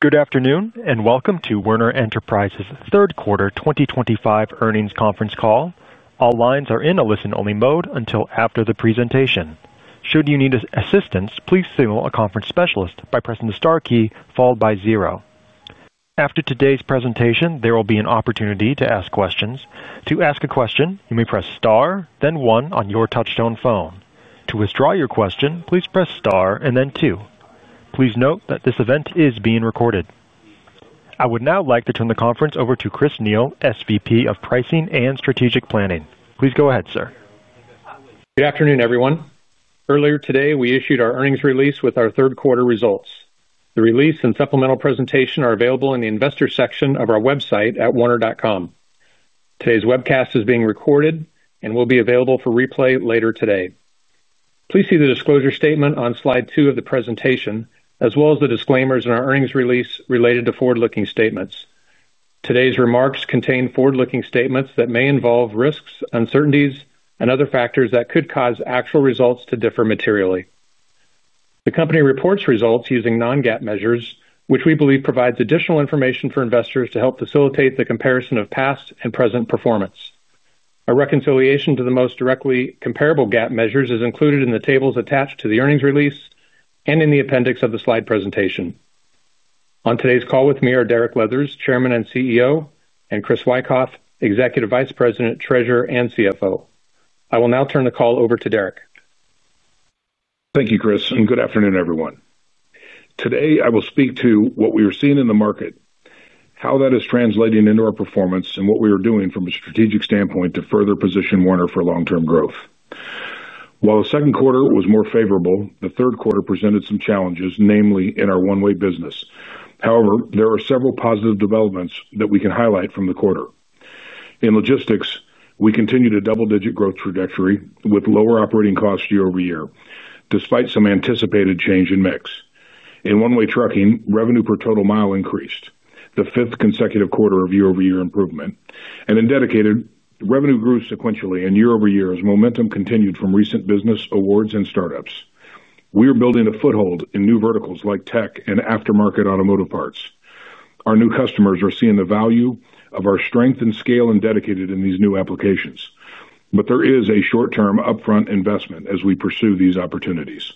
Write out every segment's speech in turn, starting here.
Good afternoon and welcome to Werner Enterprises' third quarter 2025 earnings conference call. All lines are in a listen-only mode until after the presentation. Should you need assistance, please signal a conference specialist by pressing the star key followed by zero. After today's presentation, there will be an opportunity to ask questions. To ask a question, you may press star then one on your touch-tone phone. To withdraw your question, please press star and then two. Please note that this event is being recorded. I would now like to turn the conference over to Chris Neil, SVP of Pricing and Strategic Planning. Please go ahead, sir. Good afternoon, everyone. Earlier today, we issued our earnings release with our third quarter results. The release and supplemental presentation are available in the investor section of our website at werner.com. Today's webcast is being recorded and will be available for replay later today. Please see the disclosure statement on slide two of the presentation, as well as the disclaimers in our earnings release related to forward-looking statements. Today's remarks contain forward-looking statements that may involve risks, uncertainties, and other factors that could cause actual results to differ materially. The company reports results using non-GAAP measures, which we believe provides additional information for investors to help facilitate the comparison of past and present performance. A reconciliation to the most directly comparable GAAP measures is included in the tables attached to the earnings release and in the appendix of the slide presentation. On today's call with me are Derek Leathers, Chairman and CEO, and Chris Wikoff, Executive Vice President, Treasurer, and CFO. I will now turn the call over to Derek. Thank you, Chris, and good afternoon, everyone. Today, I will speak to what we are seeing in the market, how that is translating into our performance, and what we are doing from a strategic standpoint to further position Werner for long-term growth. While the second quarter was more favorable, the third quarter presented some challenges, namely in our one-way business. However, there are several positive developments that we can highlight from the quarter. In logistics, we continue the double-digit growth trajectory with lower operating costs year-over-year, despite some anticipated change in mix. In one-way trucking, revenue per total mile increased, the fifth consecutive quarter of year-over-year improvement, and in dedicated, revenue grew sequentially year-over-year as momentum continued from recent business awards and startups. We are building a foothold in new verticals like tech and aftermarket automotive parts. Our new customers are seeing the value of our strength and scale in dedicated in these new applications, but there is a short-term upfront investment as we pursue these opportunities.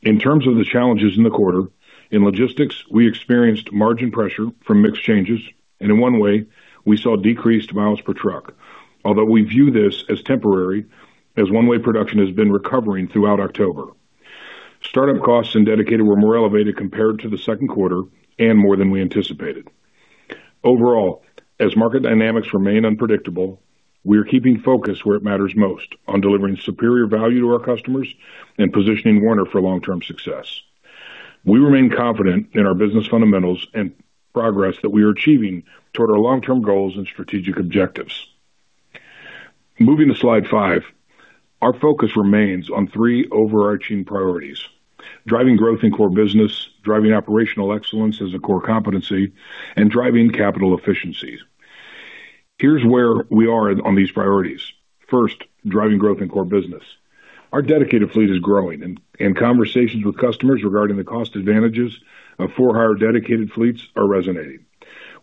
In terms of the challenges in the quarter, in logistics, we experienced margin pressure from mix changes, and in one-way, we saw decreased miles per truck, although we view this as temporary as one-way production has been recovering throughout October. Startup costs in dedicated were more elevated compared to the second quarter and more than we anticipated. Overall, as market dynamics remain unpredictable, we are keeping focus where it matters most, on delivering superior value to our customers and positioning Werner for long-term success. We remain confident in our business fundamentals and progress that we are achieving toward our long-term goals and strategic objectives. Moving to slide five, our focus remains on three overarching priorities: driving growth in core business, driving operational excellence as a core competency, and driving capital efficiency. Here's where we are on these priorities. First, driving growth in core business. Our dedicated fleet is growing, and conversations with customers regarding the cost advantages of for-hire dedicated fleets are resonating.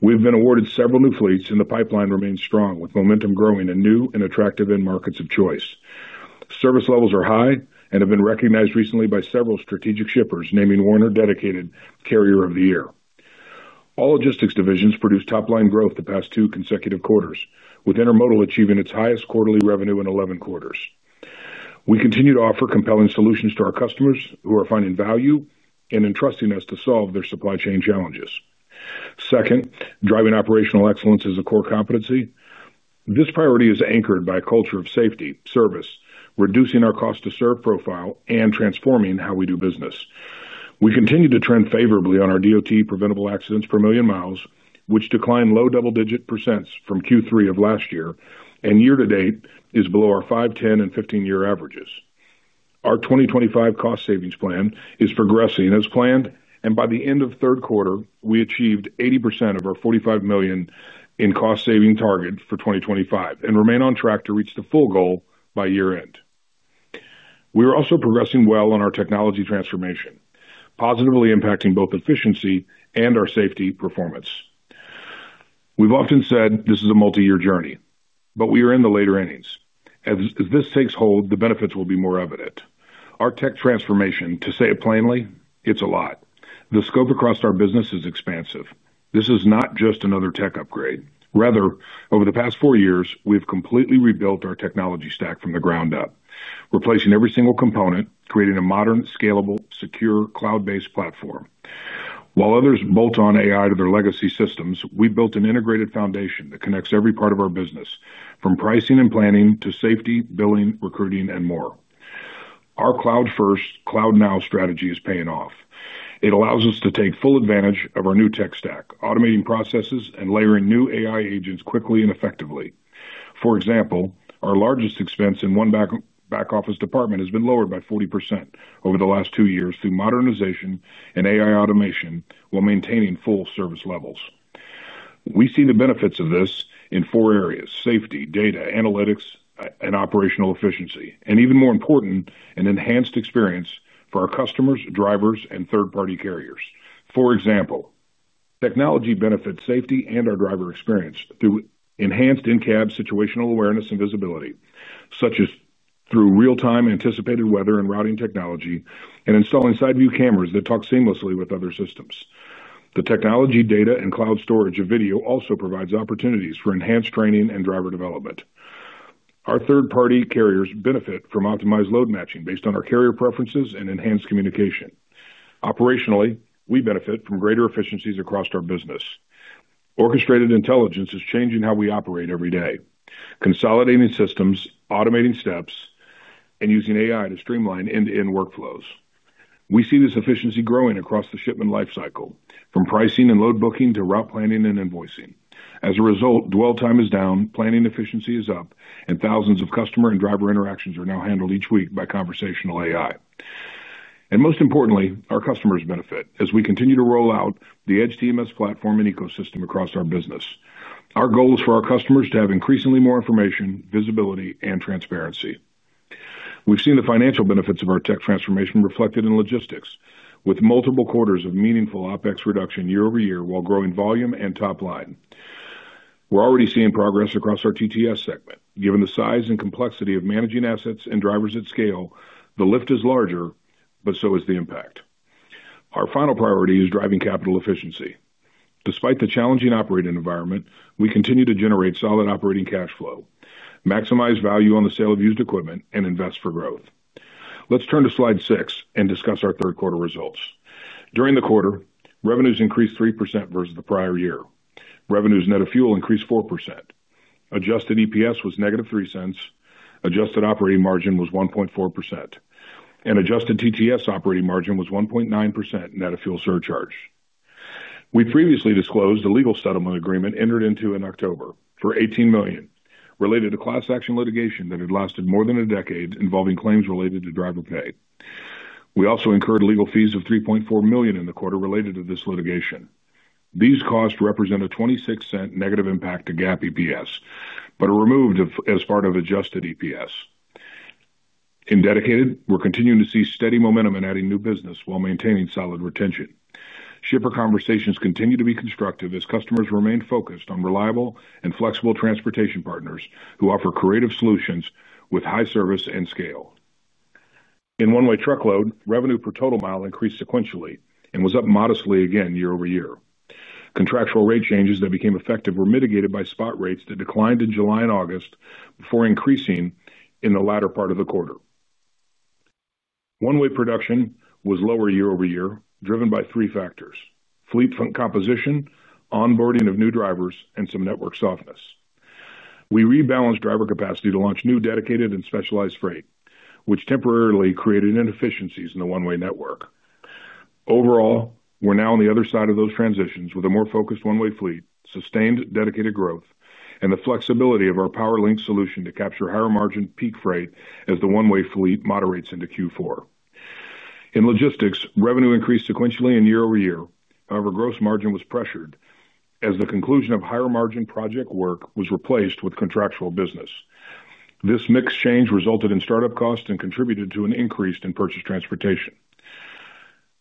We've been awarded several new fleets, and the pipeline remains strong with momentum growing in new and attractive end markets of choice. Service levels are high and have been recognized recently by several strategic shippers, naming Werner dedicated carrier of the year. All logistics divisions produced top-line growth the past two consecutive quarters, with Intermodal achieving its highest quarterly revenue in 11 quarters. We continue to offer compelling solutions to our customers who are finding value and entrusting us to solve their supply chain challenges. Second, driving operational excellence as a core competency. This priority is anchored by a culture of safety, service, reducing our cost-to-serve profile, and transforming how we do business. We continue to trend favorably on our DOT preventable accidents per million miles, which declined low double-digit % from Q3 of last year and year-to-date is below our 5, 10, and 15-year averages. Our 2025 cost savings plan is progressing as planned, and by the end of third quarter, we achieved 80% of our $45 million in cost saving target for 2025 and remain on track to reach the full goal by year-end. We are also progressing well on our technology transformation, positively impacting both efficiency and our safety performance. We've often said this is a multi-year journey, but we are in the later innings. As this takes hold, the benefits will be more evident. Our tech transformation, to say it plainly, it's a lot. The scope across our business is expansive. This is not just another tech upgrade. Rather, over the past four years, we've completely rebuilt our technology stack from the ground up, replacing every single component, creating a modern, scalable, secure cloud-based platform. While others bolt on AI to their legacy systems, we built an integrated foundation that connects every part of our business, from pricing and planning to safety, billing, recruiting, and more. Our cloud-first, cloud-now strategy is paying off. It allows us to take full advantage of our new tech stack, automating processes and layering new AI agents quickly and effectively. For example, our largest expense in one back-office department has been lowered by 40% over the last two years through modernization and AI automation while maintaining full service levels. We see the benefits of this in four areas: safety, data, analytics, and operational efficiency, and even more important, an enhanced experience for our customers, drivers, and third-party carriers. For example, technology benefits safety and our driver experience through enhanced in-cab situational awareness and visibility, such as through real-time anticipated weather and routing technology and installing side-view cameras that talk seamlessly with other systems. The technology, data, and cloud storage of video also provides opportunities for enhanced training and driver development. Our third-party carriers benefit from optimized load matching based on our carrier preferences and enhanced communication. Operationally, we benefit from greater efficiencies across our business. Orchestrated intelligence is changing how we operate every day, consolidating systems, automating steps, and using AI to streamline end-to-end workflows. We see this efficiency growing across the shipment life cycle, from pricing and load booking to route planning and invoicing. As a result, dwell time is down, planning efficiency is up, and thousands of customer and driver interactions are now handled each week by conversational AI. Most importantly, our customers benefit as we continue to roll out the EDGE TMS Platform and ecosystem across our business. Our goal is for our customers to have increasingly more information, visibility, and transparency. We've seen the financial benefits of our tech transformation reflected in logistics, with multiple quarters of meaningful OpEx reduction year-over-year while growing volume and top-line. We're already seeing progress across our TTS. Given the size and complexity of managing assets and drivers at scale, the lift is larger, but so is the impact. Our final priority is driving capital efficiency. Despite the challenging operating environment, we continue to generate solid operating cash flow, maximize value on the sale of used equipment, and invest for growth. Let's turn to slide six and discuss our third-quarter results. During the quarter, revenues increased 3% versus the prior year. Revenues net of fuel increased 4%. Adjusted EPS was -$0.03. Adjusted operating margin was 1.4%. Adjusted TTS operating margin was 1.9% net of fuel surcharge. We previously disclosed a legal settlement agreement entered into in October for $18 million related to class action litigation that had lasted more than a decade involving claims related to driver pay. We also incurred legal fees of $3.4 million in the quarter related to this litigation. These costs represent a $0.26 negative impact to GAAP EPS but are removed as part of adjusted EPS. In Dedicated, we're continuing to see steady momentum in adding new business while maintaining solid retention. Shipper conversations continue to be constructive as customers remain focused on reliable and flexible transportation partners who offer creative solutions with high service and scale. In One-Way Truckload, revenue per total mile increased sequentially and was up modestly again year-over-year. Contractual rate changes that became effective were mitigated by spot rates that declined in July and August before increasing in the latter part of the quarter. One-way production was lower year-over-year, driven by three factors: fleet composition, onboarding of new drivers, and some network softness. We rebalanced driver capacity to launch new Dedicated and specialized freight, which temporarily created inefficiencies in the one-way network. Overall, we're now on the other side of those transitions with a more focused one-way fleet, sustained Dedicated growth, and the flexibility of our PowerLink solution to capture higher margin peak freight as the one-way fleet moderates into Q4. In logistics, revenue increased sequentially year-over-year. However, gross margin was pressured as the conclusion of higher margin project work was replaced with contractual business. This mix change resulted in startup costs and contributed to an increase in purchased transportation.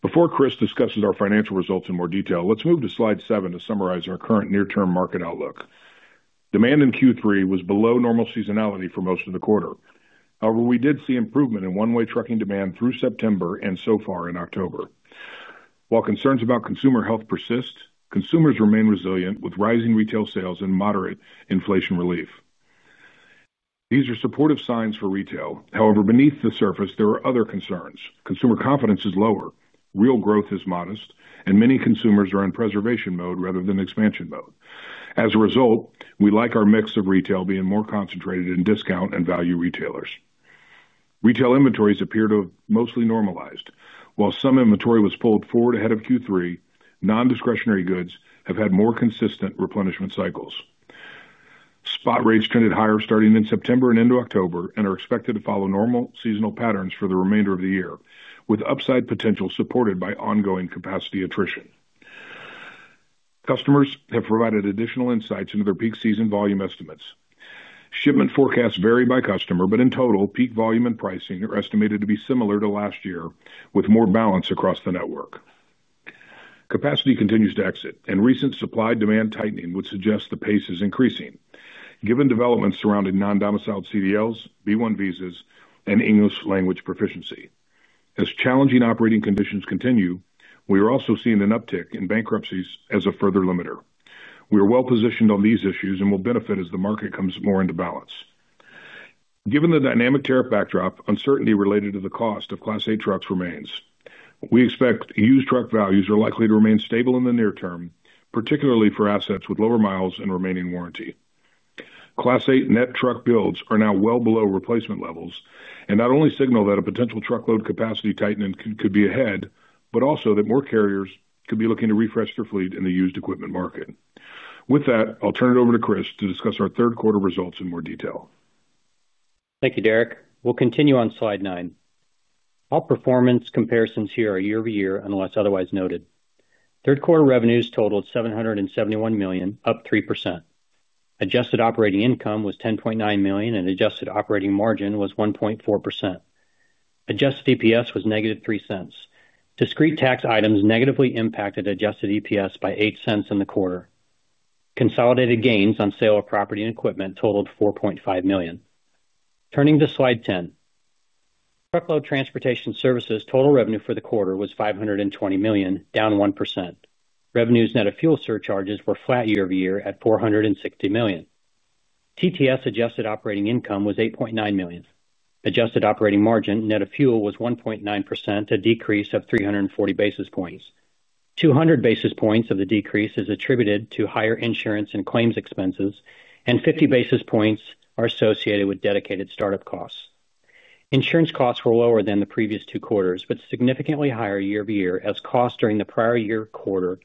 Before Chris discusses our financial results in more detail, let's move to slide seven to summarize our current near-term market outlook. Demand in Q3 was below normal seasonality for most of the quarter. However, we did see improvement in one-way trucking demand through September and so far in October. While concerns about consumer health persist, consumers remain resilient with rising retail sales and moderate inflation relief. These are supportive signs for retail. However, beneath the surface, there are other concerns. Consumer confidence is lower, real growth is modest, and many consumers are in preservation mode rather than expansion mode. As a result, we like our mix of retail being more concentrated in discount and value retailers. Retail inventories appear to have mostly normalized. While some inventory was pulled forward ahead of Q3, non-discretionary goods have had more consistent replenishment cycles. Spot rates trended higher starting in September and into October and are expected to follow normal seasonal patterns for the remainder of the year, with upside potential supported by ongoing capacity attrition. Customers have provided additional insights into their peak season volume estimates. Shipment forecasts vary by customer, but in total, peak volume and pricing are estimated to be similar to last year, with more balance across the network. Capacity continues to exit, and recent supply-demand tightening would suggest the pace is increasing, given developments surrounding non-domiciled CDLs, B-1 visa, and English language proficiency. As challenging operating conditions continue, we are also seeing an uptick in bankruptcies as a further limiter. We are well-positioned on these issues and will benefit as the market comes more into balance. Given the dynamic tariff backdrop, uncertainty related to the cost of Class 8 trucks remains. We expect used truck values are likely to remain stable in the near term, particularly for assets with lower miles and remaining warranty. Class 8 net truck builds are now well below replacement levels and not only signal that a potential truckload capacity tightening could be ahead, but also that more carriers could be looking to refresh their fleet in the used equipment market. With that, I'll turn it over to Chris to discuss our third-quarter results in more detail. Thank you, Derek. We'll continue on slide nine. All performance comparisons here are year-over-year unless otherwise noted. Third-quarter revenues totaled $771 million, up 3%. Adjusted operating income was $10.9 million, and adjusted operating margin was 1.4%. Adjusted EPS was -$0.03. Discrete tax items negatively impacted adjusted EPS by $0.08 in the quarter. Consolidated gains on sale of property and equipment totaled $4.5 million. Turning to slide 10. Truckload transportation services total revenue for the quarter was $520 million, down 1%. Revenues net of fuel surcharges were flat year-over-year at $460 million. TTS adjusted operating income was $8.9 million. Adjusted operating margin net of fuel was 1.9%, a decrease of 340 basis points. 200 basis points of the decrease is attributed to higher insurance and claims expenses, and 50 basis points are associated with dedicated startup costs. Insurance costs were lower than the previous two quarters, but significantly higher year-over-year as costs during the prior year quarter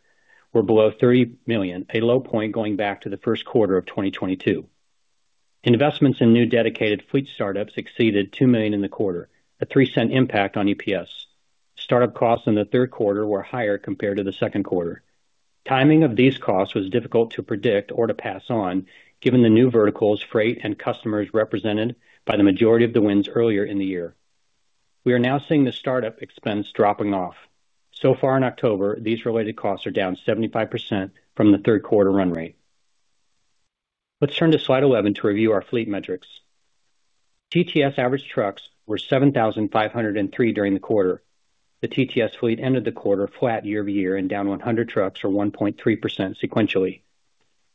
were below $30 million, a low point going back to the first quarter of 2022. Investments in new dedicated fleet startups exceeded $2 million in the quarter, a $0.03 impact on EPS. Startup costs in the third quarter were higher compared to the second quarter. Timing of these costs was difficult to predict or to pass on, given the new verticals, freight, and customers represented by the majority of the wins earlier in the year. We are now seeing the startup expense dropping off. So far in October, these related costs are down 75% from the third-quarter run rate. Let's turn to slide 11 to review our fleet metrics. TTS average trucks were 7,503 during the quarter. The TTS fleet ended the quarter flat year-over-year and down 100 trucks or 1.3% sequentially.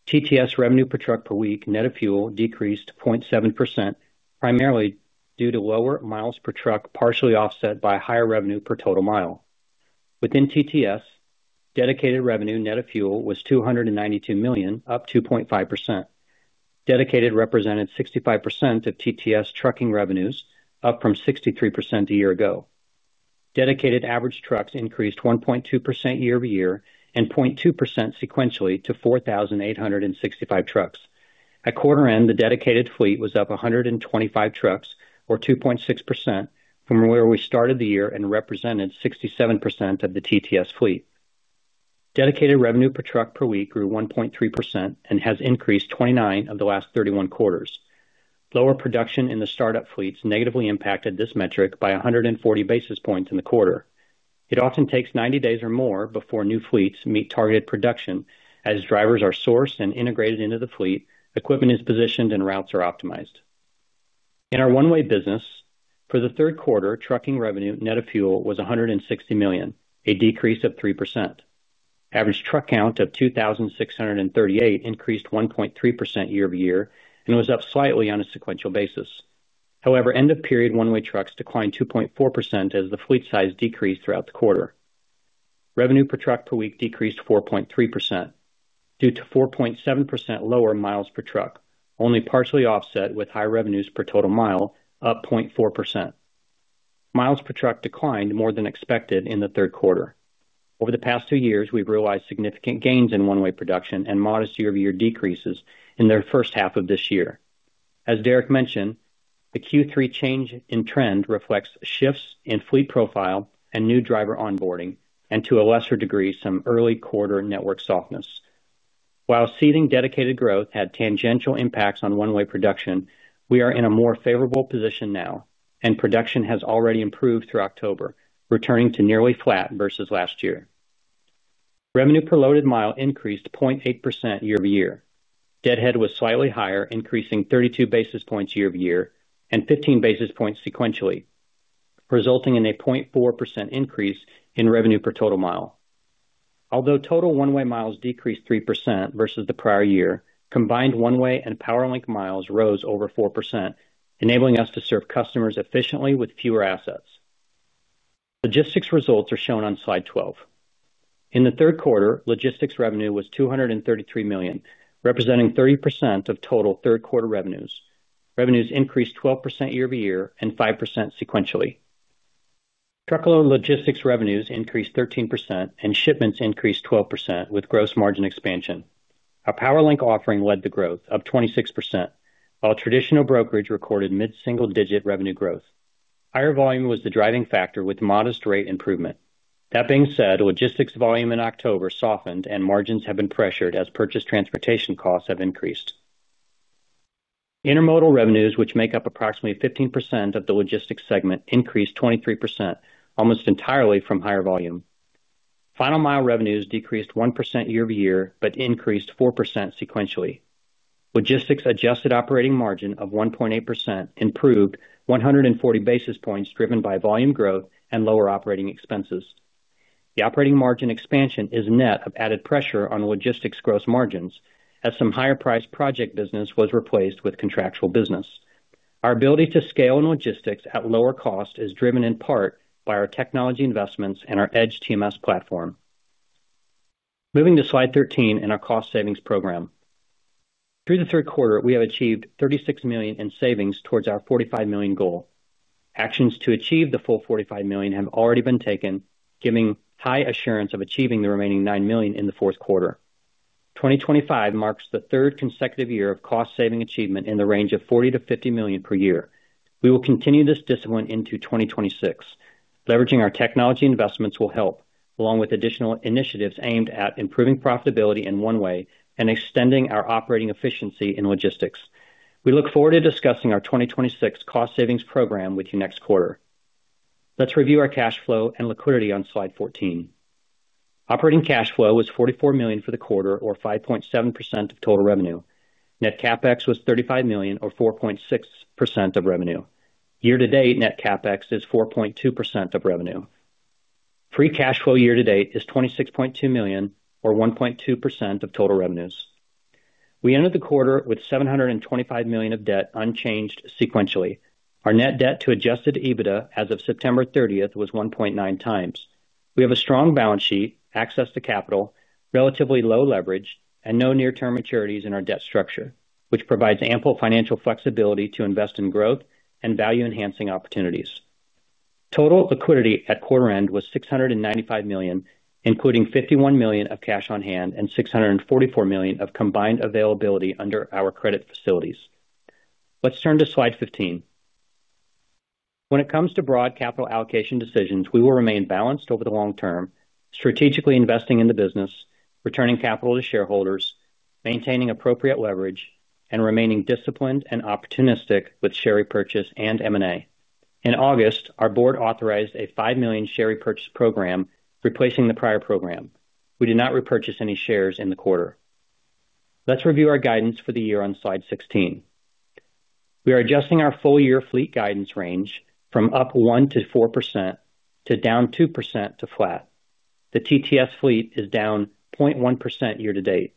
TTS revenue per truck per week net of fuel decreased 0.7%, primarily due to lower miles per truck, partially offset by higher revenue per total mile. Within TTS, dedicated revenue net of fuel was $292 million, up 2.5%. Dedicated represented 65% of TTS trucking revenues, up from 63% a year ago. Dedicated average trucks increased 1.2% year-over-year and 0.2% sequentially to 4,865 trucks. At quarter-end, the dedicated fleet was up 125 trucks or 2.6% from where we started the year and represented 67% of the TTS fleet. Dedicated revenue per truck per week grew 1.3% and has increased 29 of the last 31 quarters. Lower production in the startup fleets negatively impacted this metric by 140 basis points in the quarter. It often takes 90 days or more before new fleets meet targeted production as drivers are sourced and integrated into the fleet, equipment is positioned, and routes are optimized. In our one-way business, for the third quarter, trucking revenue net of fuel was $160 million, a decrease of 3%. Average truck count of 2,638 increased 1.3% year-over-year and was up slightly on a sequential basis. However, end-of-period one-way trucks declined 2.4% as the fleet size decreased throughout the quarter. Revenue per truck per week decreased 4.3% due to 4.7% lower miles per truck, only partially offset with high revenues per total mile, up 0.4%. Miles per truck declined more than expected in the third quarter. Over the past two years, we've realized significant gains in one-way production and modest year-over-year decreases in the first half of this year. As Derek Leathers mentioned, the Q3 change in trend reflects shifts in fleet profile and new driver onboarding, and to a lesser degree, some early quarter network softness. While seeding Dedicated growth had tangential impacts on One-Way production, we are in a more favorable position now, and production has already improved through October, returning to nearly flat versus last year. Revenue per loaded mile increased 0.8% year-over-year. Deadhead was slightly higher, increasing 32 basis points year-over-year and 15 basis points sequentially, resulting in a 0.4% increase in revenue per total mile. Although total one-way miles decreased 3% versus the prior year, combined one-way and PowerLink miles rose over 4%, enabling us to serve customers efficiently with fewer assets. Logistics results are shown on slide 12. In the third quarter, logistics revenue was $233 million, representing 30% of total third-quarter revenues. Revenues increased 12% year-over-year and 5% sequentially. Truckload logistics revenues increased 13%, and shipments increased 12% with gross margin expansion. Our PowerLink offering led to growth of 26%, while traditional brokerage recorded mid-single-digit revenue growth. Higher volume was the driving factor with modest rate improvement. That being said, logistics volume in October softened, and margins have been pressured as purchased transportation costs have increased. Intermodal revenues, which make up approximately 15% of the logistics segment, increased 23%, almost entirely from higher volume. Final Mile Services revenues decreased 1% year-over-year but increased 4% sequentially. Logistics adjusted operating margin of 1.8% improved 140 basis points driven by volume growth and lower operating expenses. The operating margin expansion is net of added pressure on logistics gross margins as some higher-priced project business was replaced with contractual business. Our ability to scale in logistics at lower cost is driven in part by our technology investments and our Werner EDGE TMS Platform. Moving to slide 13 in our cost savings program. Through the third quarter, we have achieved $36 million in savings towards our $45 million goal. Actions to achieve the full $45 million have already been taken, giving high assurance of achieving the remaining $9 million in the fourth quarter. 2025 marks the third consecutive year of cost saving achievement in the range of $40 million-$50 million per year. We will continue this discipline into 2026. Leveraging our technology investments will help, along with additional initiatives aimed at improving profitability in one way and extending our operating efficiency in logistics. We look forward to discussing our 2026 cost savings program with you next quarter. Let's review our cash flow and liquidity on slide 14. Operating cash flow was $44 million for the quarter, or 5.7% of total revenue. Net CapEx was $35 million, or 4.6% of revenue. Year-to-date net CapEx is 4.2% of revenue. Free cash flow year-to-date is $26.2 million, or 1.2% of total revenues. We ended the quarter with $725 million of debt, unchanged sequentially. Our net debt to adjusted EBITDA as of September 30th was 1.9x. We have a strong balance sheet, access to capital, relatively low leverage, and no near-term maturities in our debt structure, which provides ample financial flexibility to invest in growth and value-enhancing opportunities. Total liquidity at quarter-end was $695 million, including $51 million of cash on hand and $644 million of combined availability under our credit facilities. Let's turn to slide 15. When it comes to broad capital allocation decisions, we will remain balanced over the long term, strategically investing in the business, returning capital to shareholders, maintaining appropriate leverage, and remaining disciplined and opportunistic with share repurchase and M&A. In August, our board authorized a 5 million share repurchase program, replacing the prior program. We did not repurchase any shares in the quarter. Let's review our guidance for the year on slide 16. We are adjusting our full-year fleet guidance range from up 1%-4% to down 2% to flat. The TTS fleet is down 0.1% year-to-date.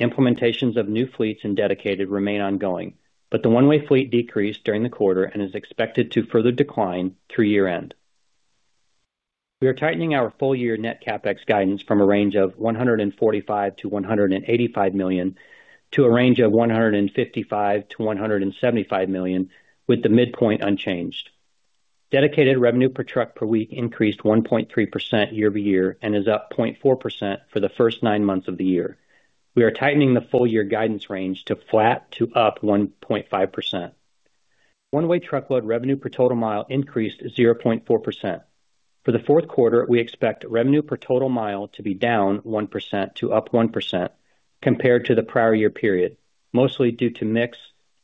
Implementations of new fleets in Dedicated remain ongoing, but the One-Way fleet decreased during the quarter and is expected to further decline through year-end. We are tightening our full-year net CapEx guidance from a range of $145 million-$185 million to a range of $155 million-$175 million, with the midpoint unchanged. Dedicated revenue per truck per week increased 1.3% year-over-year and is up 0.4% for the first nine months of the year. We are tightening the full-year guidance range to flat to up 1.5%. One-Way Truckload revenue per total mile increased 0.4%. For the fourth quarter, we expect revenue per total mile to be down 1% to up 1% compared to the prior year period, mostly due to mix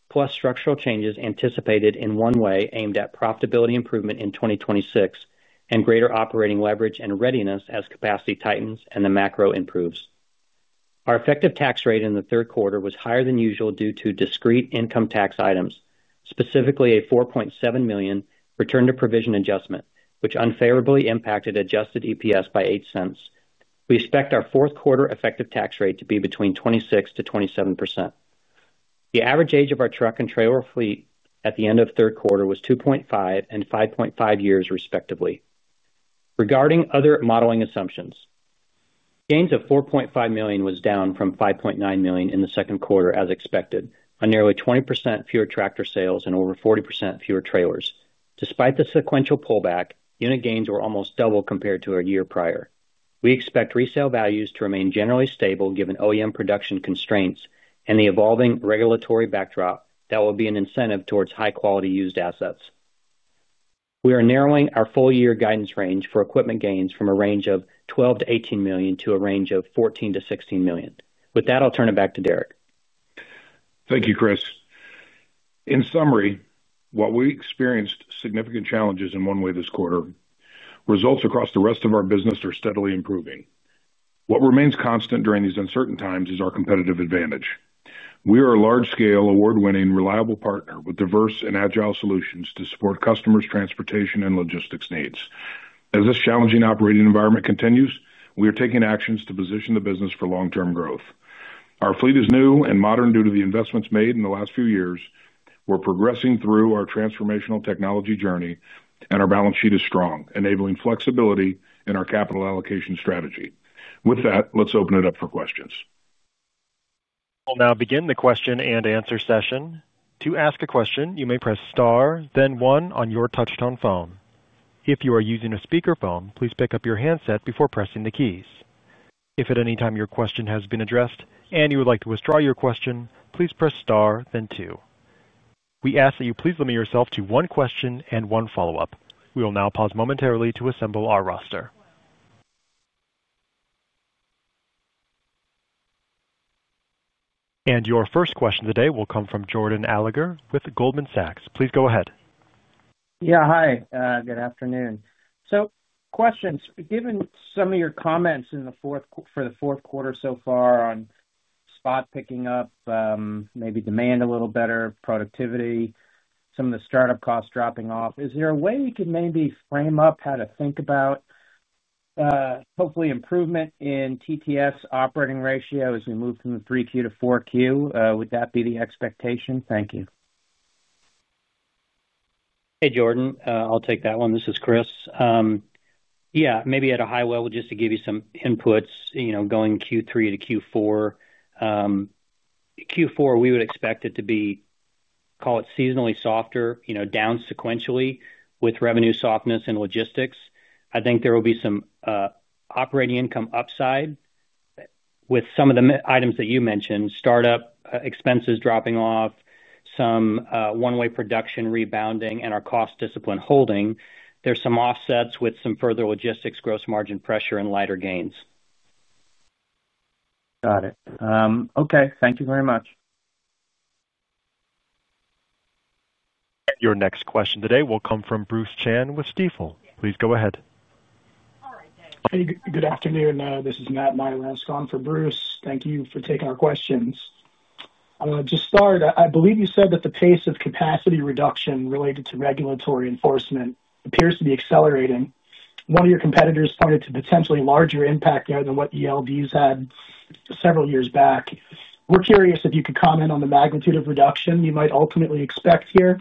plus structural changes anticipated in One-Way aimed at profitability improvement in 2026 and greater operating leverage and readiness as capacity tightens and the macro improves. Our effective tax rate in the third quarter was higher than usual due to discrete income tax items, specifically a $4.7 million return-to-provision adjustment, which unfavorably impacted adjusted EPS by $0.08. We expect our fourth-quarter effective tax rate to be between 26%-27%. The average age of our truck and trailer fleet at the end of third quarter was 2.5 and 5.5 years, respectively. Regarding other modeling assumptions, gains of $4.5 million was down from $5.9 million in the second quarter, as expected, a nearly 20% fewer tractor sales and over 40% fewer trailers. Despite the sequential pullback, unit gains were almost double compared to a year prior. We expect resale values to remain generally stable given OEM production constraints and the evolving regulatory backdrop that will be an incentive towards high-quality used assets. We are narrowing our full-year guidance range for equipment gains from a range of $12 million-$18 million to a range of $14 million-$16 million. With that, I'll turn it back to Derek. Thank you, Chris. In summary, while we experienced significant challenges in One-Way this quarter, results across the rest of our business are steadily improving. What remains constant during these uncertain times is our competitive advantage. We are a large-scale, award-winning, reliable partner with diverse and agile solutions to support customers' transportation and logistics needs. As this challenging operating environment continues, we are taking actions to position the business for long-term growth. Our fleet is new and modern due to the investments made in the last few years. We're progressing through our transformational technology journey, and our balance sheet is strong, enabling flexibility in our capital allocation strategy. With that, let's open it up for questions. I'll now begin the question and answer session. To ask a question, you may press star, then one on your touch-tone phone. If you are using a speakerphone, please pick up your handset before pressing the keys. If at any time your question has been addressed and you would like to withdraw your question, please press star, then two. We ask that you please limit yourself to one question and one follow-up. We will now pause momentarily to assemble our roster. Your first question today will come from Jordan Alliger with Goldman Sachs. Please go ahead. Yeah, hi. Good afternoon. So questions. Given some of your comments for the fourth quarter so far on spot picking up, maybe demand a little better, productivity, some of the startup costs dropping off, is there a way we could maybe frame up how to think about, hopefully, improvement in TTS operating ratio as we move from the 3Q to 4Q? Would that be the expectation? Thank you. Hey, Jordan. I'll take that one. This is Chris. Yeah, maybe at a high level, just to give you some inputs, going Q3 to Q4. Q4, we would expect it to be, call it seasonally softer, down sequentially with revenue softness in logistics. I think there will be some operating income upside with some of the items that you mentioned, startup expenses dropping off, some one-way production rebounding, and our cost discipline holding. There are some offsets with some further logistics gross margin pressure and lighter gains. Got it. Okay. Thank you very much. Your next question today will come from Bruce Chan with Stifel. Please go ahead. Hey, good afternoon. This is Matt Meilanskon for Bruce. Thank you for taking our questions. To start, I believe you said that the pace of capacity reduction related to regulatory enforcement appears to be accelerating. One of your competitors pointed to potentially larger impact than what ELDs had several years back. We're curious if you could comment on the magnitude of reduction you might ultimately expect here,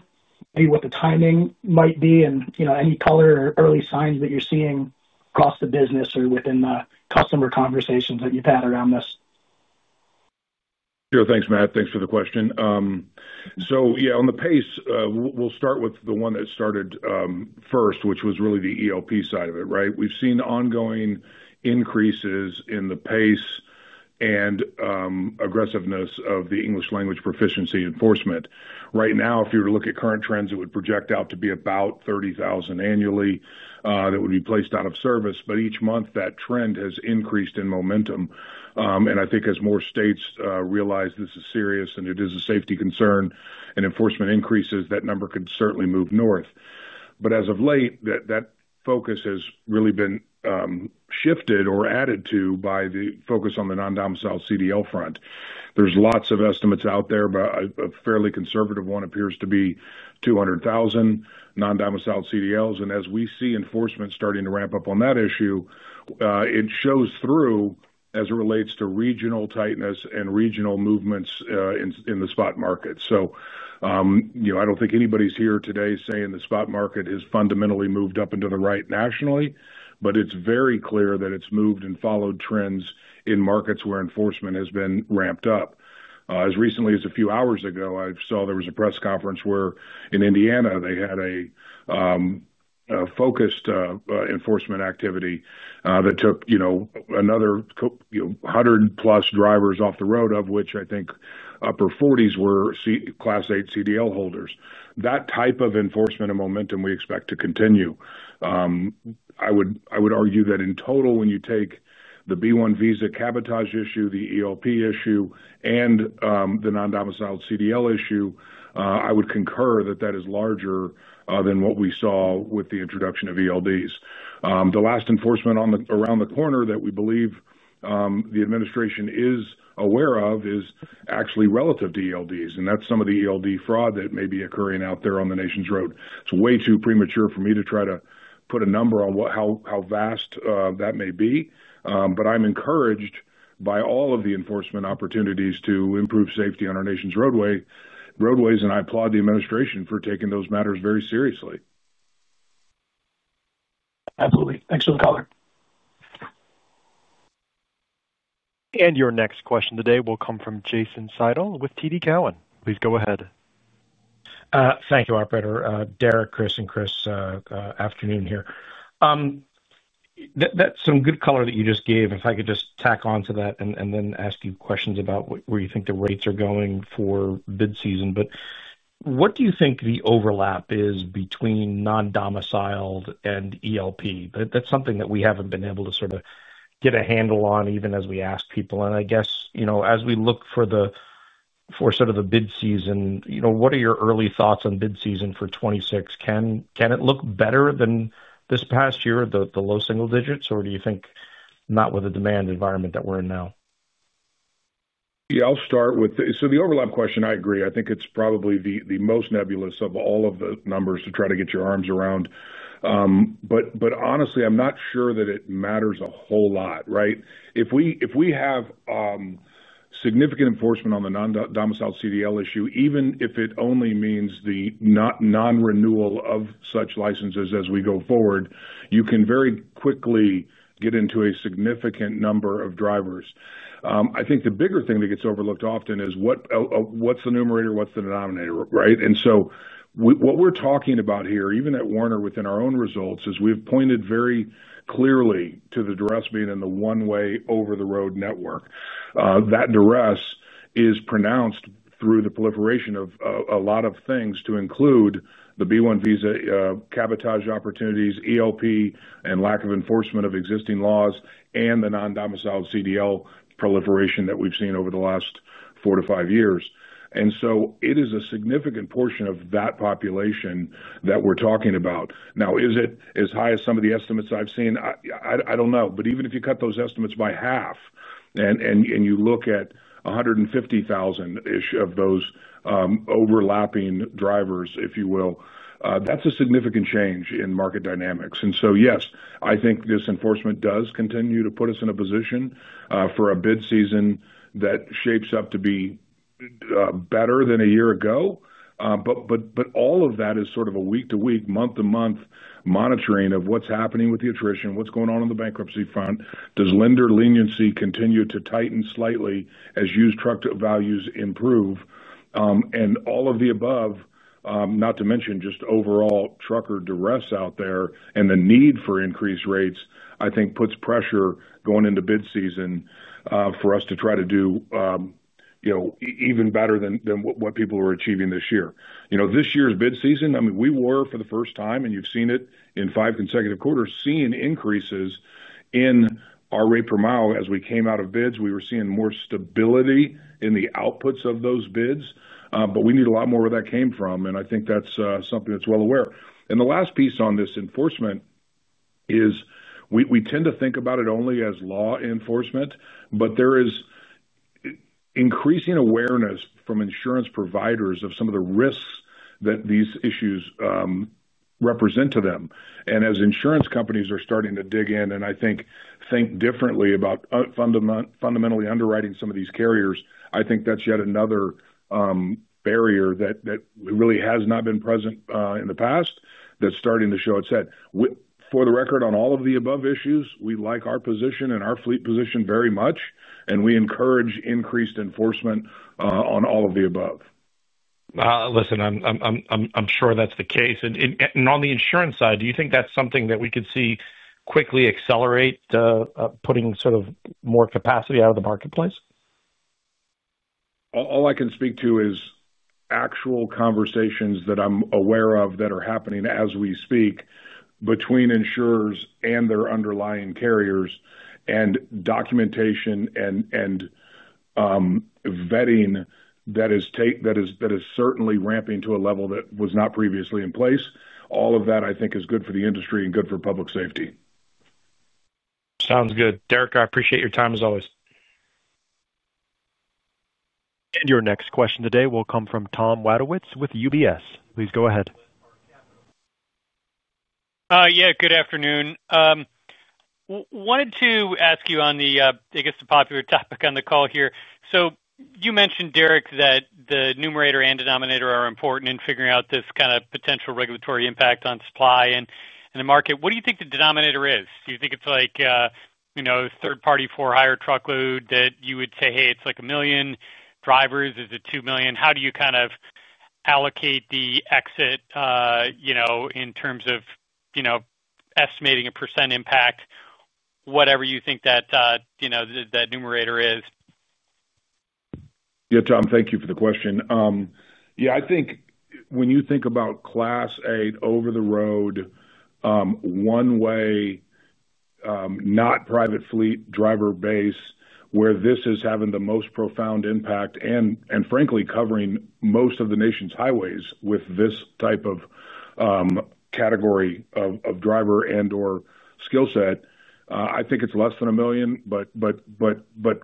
maybe what the timing might be, and any color or early signs that you're seeing across the business or within the customer conversations that you've had around this. Sure. Thanks, Matt. Thanks for the question. On the pace, we'll start with the one that started first, which was really the ELP side of it, right? We've seen ongoing increases in the pace and aggressiveness of the English language proficiency enforcement. Right now, if you were to look at current trends, it would project out to be about 30,000 annually that would be placed out of service. Each month, that trend has increased in momentum. I think as more states realize this is serious and it is a safety concern and enforcement increases, that number could certainly move north. As of late, that focus has really been. Shifted or added to by the focus on the non-domiciled CDL front. There are lots of estimates out there, but a fairly conservative one appears to be 200,000 non-domiciled CDLs. As we see enforcement starting to ramp up on that issue, it shows through as it relates to regional tightness and regional movements in the spot market. I do not think anybody is here today saying the spot market has fundamentally moved up and to the right nationally, but it is very clear that it has moved and followed trends in markets where enforcement has been ramped up. As recently as a few hours ago, I saw there was a press conference where in Indiana, they had a focused enforcement activity that took another 100+ drivers off the road, of which I think upper 40s were Class 8 CDL holders. That type of enforcement and momentum we expect to continue. I would argue that in total, when you take the B-1 visa cabotage issue, the ELP issue, and the non-domiciled CDL issue, I would concur that that is larger than what we saw with the introduction of ELDs. The last enforcement around the corner that we believe the administration is aware of is actually relative to ELDs, and that is some of the ELD fraud that may be occurring out there on the nation's road. It is way too premature for me to try to put a number on how vast that may be, but I am encouraged by all of the enforcement opportunities to improve safety on our nation's roadways. I applaud the administration for taking those matters very seriously. Absolutely. Thanks for the color. Your next question today will come from Jason Seidl with TD Cowen. Please go ahead. Thank you, Operator. Derek, Chris, and Chris. Afternoon here. That is some good color that you just gave. If I could just tack on to that and then ask you questions about where you think the rates are going for mid-season. What do you think the overlap is between non-domiciled and ELP? That is something that we have not been able to sort of get a handle on even as we ask people. As we look for sort of the mid-season, what are your early thoughts on mid-season for 2026? Can it look better than this past year, the low single digits, or do you think not with the demand environment that we are in now? I will start with the overlap question. I agree. I think it is probably the most nebulous of all of the numbers to try to get your arms around. Honestly, I am not sure that it matters a whole lot, right? If we have. Significant enforcement on the non-domiciled CDL issue, even if it only means the non-renewal of such licenses as we go forward, you can very quickly get into a significant number of drivers. I think the bigger thing that gets overlooked often is what's the numerator, what's the denominator, right? What we're talking about here, even at Werner, within our own results, is we've pointed very clearly to the duress being in the one-way over-the-road network. That duress is pronounced through the proliferation of a lot of things to include the B-1 visa cabotage opportunities, ELP, lack of enforcement of existing laws, and the non-domiciled CDL proliferation that we've seen over the last four to five years. It is a significant portion of that population that we're talking about. Now, is it as high as some of the estimates I've seen? I don't know. Even if you cut those estimates by half and you look at 150,000-ish of those overlapping drivers, if you will, that's a significant change in market dynamics. Yes, I think this enforcement does continue to put us in a position for a bid season that shapes up to be better than a year ago. All of that is sort of a week-to-week, month-to-month monitoring of what's happening with the attrition, what's going on in the bankruptcy front, does lender leniency continue to tighten slightly as used truck values improve, and all of the above, not to mention just overall trucker duress out there and the need for increased rates, I think puts pressure going into bid season for us to try to do even better than what people were achieving this year. This year's bid season, I mean, we were for the first time, and you've seen it in five consecutive quarters, seeing increases in our rate per mile. As we came out of bids, we were seeing more stability in the outputs of those bids. We need a lot more where that came from. I think that's something that's well aware. The last piece on this enforcement is we tend to think about it only as law enforcement, but there is increasing awareness from insurance providers of some of the risks that these issues represent to them. As insurance companies are starting to dig in and I think think differently about fundamentally underwriting some of these carriers, I think that's yet another barrier that really has not been present in the past that's starting to show its head. For the record, on all of the above issues, we like our position and our fleet position very much, and we encourage increased enforcement on all of the above. I'm sure that's the case. On the insurance side, do you think that's something that we could see quickly accelerate, putting more capacity out of the marketplace? All I can speak to is actual conversations that I'm aware of that are happening as we speak between insurers and their underlying carriers and documentation and vetting that is certainly ramping to a level that was not previously in place. All of that, I think, is good for the industry and good for public safety. Sounds good. Derek, I appreciate your time as always. Your next question today will come from Tom Wadewitz with UBS. Please go ahead. Yeah, good afternoon. Wanted to ask you on the, I guess, the popular topic on the call here. You mentioned, Derek, that the numerator and denominator are important in figuring out this kind of potential regulatory impact on supply and the market. What do you think the denominator is? Do you think it's like third-party for hire truckload that you would say, "Hey, it's like a million drivers? Is it two million?" How do you allocate the exit in terms of estimating a % impact, whatever you think that numerator is? Yeah, Tom, thank you for the question. I think when you think about Class 8 over-the-road, one-way, not-private fleet driver base where this is having the most profound impact and, frankly, covering most of the nation's highways with this type of category of driver and/or skill set, I think it's less than a million, but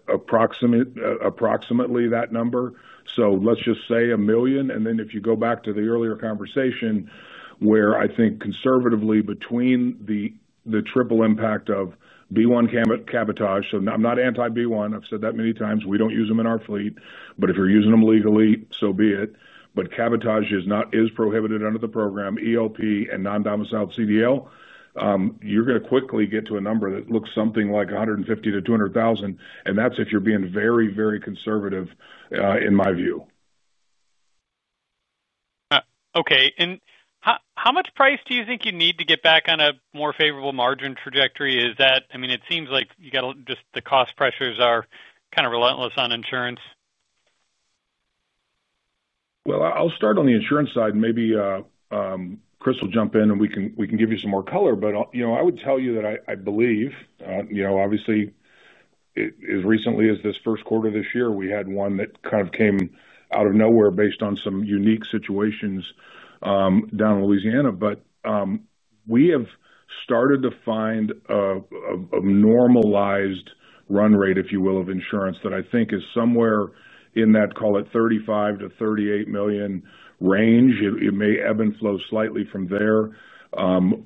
approximately that number. Let's just say a million. If you go back to the earlier conversation where I think conservatively between the triple impact of B-1 visa cabotage, so I'm not anti-B-1. I've said that many times. We don't use them in our fleet. If you're using them legally, so be it. Cabotage is prohibited under the program, ELP and non-domiciled CDL. You're going to quickly get to a number that looks something like 150,000 to 200,000. That's if you're being very, very conservative, in my view. Okay. How much price do you think you need to get back on a more favorable margin trajectory? It seems like you got to just the cost pressures are kind of relentless on insurance. I'll start on the insurance side. Maybe Chris will jump in, and we can give you some more color. I would tell you that I believe, obviously, as recently as this first quarter of this year, we had one that kind of came out of nowhere based on some unique situations down in Louisiana. We have started to find a normalized run rate, if you will, of insurance that I think is somewhere in that, call it, $35 million-$38 million range. It may ebb and flow slightly from there.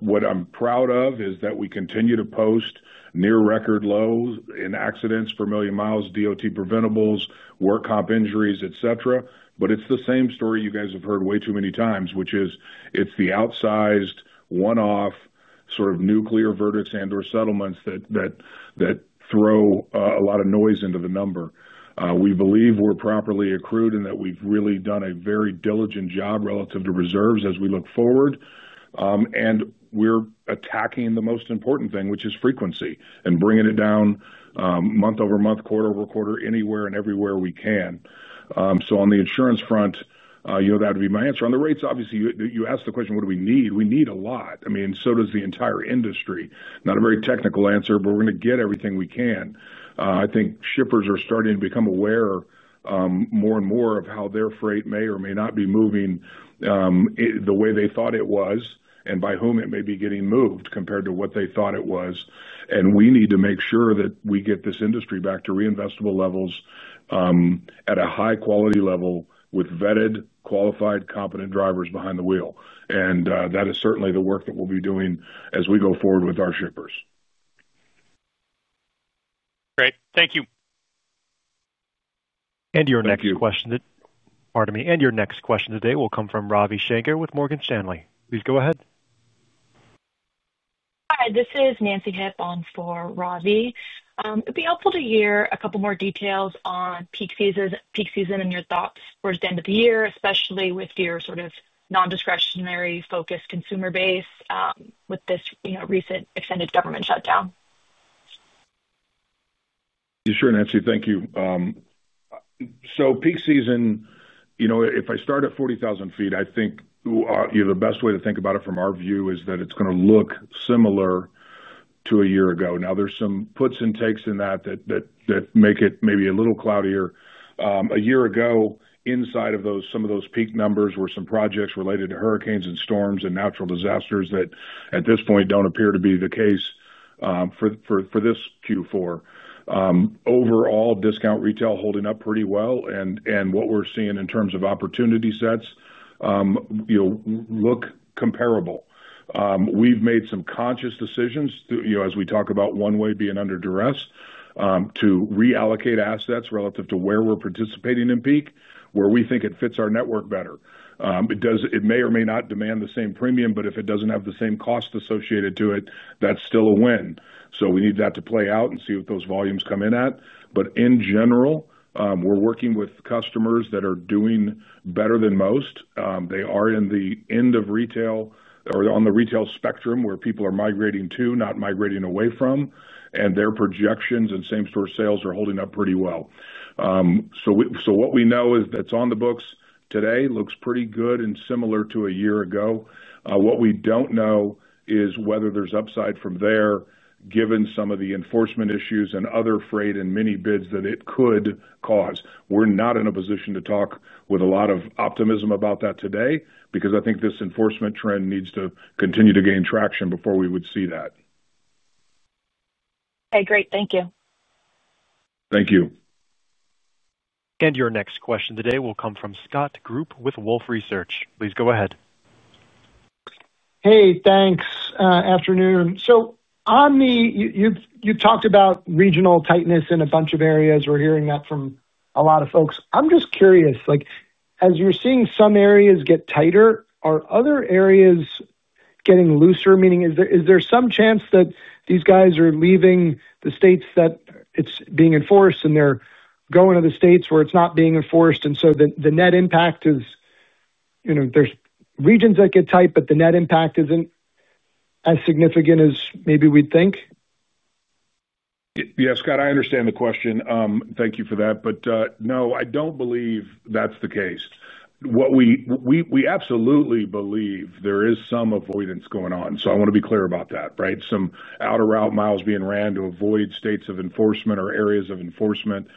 What I'm proud of is that we continue to post near-record lows in accidents per million miles, DOT preventables, work comp injuries, etc. It's the same story you guys have heard way too many times, which is it's the outsized one-off sort of nuclear verdicts and/or settlements that throw a lot of noise into the number. We believe we're properly accrued and that we've really done a very diligent job relative to reserves as we look forward. We're attacking the most important thing, which is frequency, and bringing it down month-over-month, quarter-over-quarter, anywhere and everywhere we can. On the insurance front, that would be my answer. On the rates, obviously, you asked the question, "What do we need?" We need a lot. I mean, so does the entire industry. Not a very technical answer, but we're going to get everything we can. I think shippers are starting to become aware more and more of how their freight may or may not be moving the way they thought it was and by whom it may be getting moved compared to what they thought it was. We need to make sure that we get this industry back to reinvestable levels at a high-quality level with vetted, qualified, competent drivers behind the wheel. That is certainly the work that we'll be doing as we go forward with our shippers. Great, thank you. Your next question today—pardon me—your next question today will come from Ravi Shanker with Morgan Stanley. Please go ahead. Hi, this is Nancy Hepburn for Ravi. It'd be helpful to hear a couple more details on peak season and your thoughts towards the end of the year, especially with your sort of non-discretionary-focused consumer base with this recent extended government shutdown. You sure can, Nancy. Thank you. Peak season, if I start at 40,000 ft, I think the best way to think about it from our view is that it's going to look similar to a year ago. Now, there's some puts and takes in that that make it maybe a little cloudier. A year ago, inside of some of those peak numbers were some projects related to hurricanes and storms and natural disasters that at this point don't appear to be the case for this Q4. Overall, discount retail holding up pretty well. What we're seeing in terms of opportunity sets look comparable. We've made some conscious decisions as we talk about one-way being under duress to reallocate assets relative to where we're participating in peak, where we think it fits our network better. It may or may not demand the same premium, but if it doesn't have the same cost associated to it, that's still a win. We need that to play out and see what those volumes come in at. In general, we're working with customers that are doing better than most. They are in the end of retail or on the retail spectrum where people are migrating to, not migrating away from. Their projections and same-store sales are holding up pretty well. What we know is that's on the books today looks pretty good and similar to a year ago. What we don't know is whether there's upside from there given some of the enforcement issues and other freight and mini-bids that it could cause. We're not in a position to talk with a lot of optimism about that today because I think this enforcement trend needs to continue to gain traction before we would see that. Thank you. Thank you. Your next question today will come from Scott Group with Wolf Research. Please go ahead. Hey, thanks. Afternoon. You talked about regional tightness in a bunch of areas. We're hearing that from a lot of folks. I'm just curious. As you're seeing some areas get tighter, are other areas getting looser? Meaning, is there some chance that these guys are leaving the states that it's being enforced, and they're going to the states where it's not being enforced? The net impact is there's regions that get tight, but the net impact isn't as significant as maybe we'd think? Yeah, Scott, I understand the question. Thank you for that. No, I don't believe that's the case. We absolutely believe there is some avoidance going on. I want to be clear about that, right? Some out-of-route miles being ran to avoid states of enforcement or areas of enforcement.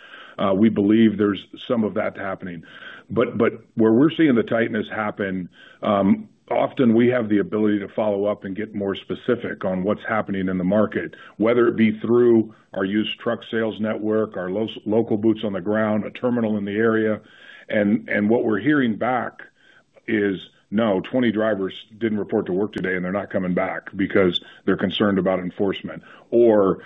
We believe there's some of that happening. Where we're seeing the tightness happen. Often we have the ability to follow up and get more specific on what's happening in the market, whether it be through our used truck sales network, our local boots on the ground, a terminal in the area. What we're hearing back is, "No, 20 drivers didn't report to work today, and they're not coming back because they're concerned about enforcement," or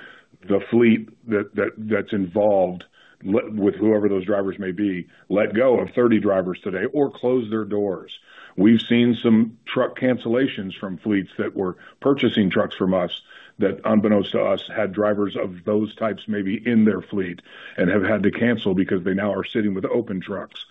the fleet that's involved with whoever those drivers may be, "Let go of 30 drivers today or closed their doors." We've seen some truck cancellations from fleets that were purchasing trucks from us that, unbeknownst to us, had drivers of those types maybe in their fleet and have had to cancel because they now are sitting with open trucks.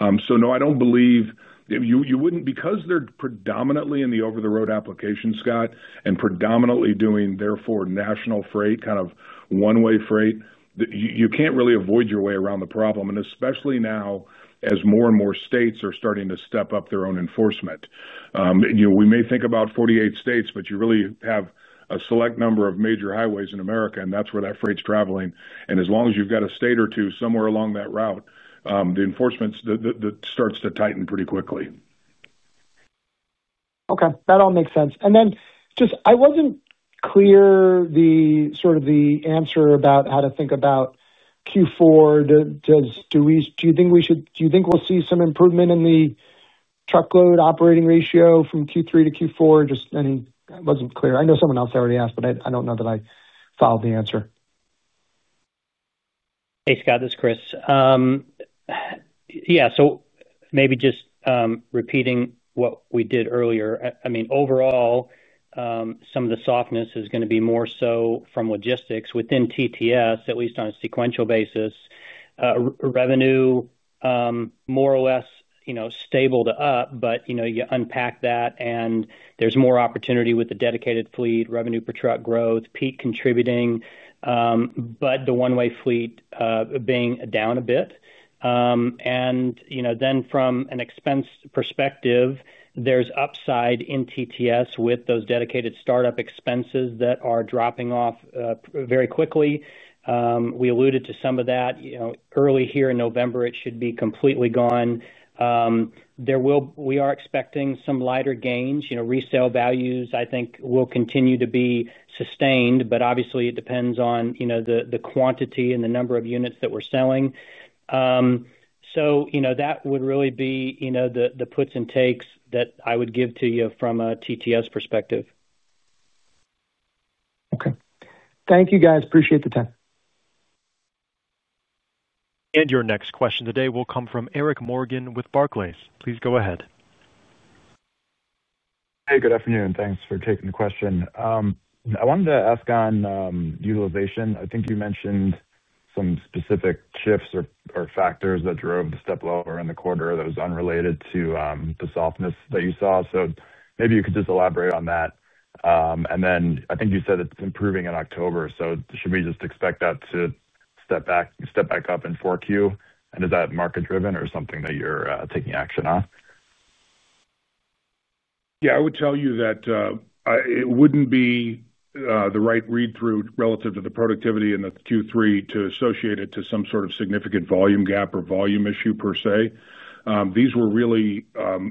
No, I don't believe you wouldn't because they're predominantly in the over-the-road application, Scott, and predominantly doing therefore national freight, kind of one-way freight, you can't really avoid your way around the problem. Especially now as more and more states are starting to step up their own enforcement. We may think about 48 states, but you really have a select number of major highways in America, and that's where that freight's traveling. As long as you've got a state or two somewhere along that route, the enforcement starts to tighten pretty quickly. Okay. That all makes sense. I wasn't clear sort of the answer about how to think about Q4. Do you think we should, do you think we'll see some improvement in the truckload operating ratio from Q3 to Q4? I mean, I wasn't clear. I know someone else already asked, but I don't know that I filed the answer. Hey, Scott, this is Chris. Maybe just repeating what we did earlier. Overall, some of the softness is going to be more so from logistics within TTS, at least on a sequential basis. Revenue more or less stable to up, but you unpack that, and there's more opportunity with the dedicated fleet, revenue per truck growth, peak contributing, but the one-way fleet being down a bit. From an expense perspective, there's upside in TTS with those dedicated startup expenses that are dropping off very quickly. We alluded to some of that early here in November, it should be completely gone. We are expecting some lighter gains. Resale values, I think, will continue to be sustained, but obviously, it depends on the quantity and the number of units that we're selling. That would really be the puts and takes that I would give to you from a TTS perspective. Okay. Thank you, guys. Appreciate the time. Your next question today will come from Eric Morgan with Barclays. Please go ahead. Hey, good afternoon. Thanks for taking the question. I wanted to ask on utilization. I think you mentioned some specific shifts or factors that drove the step lower in the quarter that was unrelated to the softness that you saw. Maybe you could just elaborate on that. I think you said it's improving in October. Should we just expect that to step back up in 4Q? Is that market-driven or something that you're taking action on? Yeah, I would tell you that it wouldn't be the right read-through relative to the productivity in Q3 to associate it to some sort of significant volume gap or volume issue per se. These were really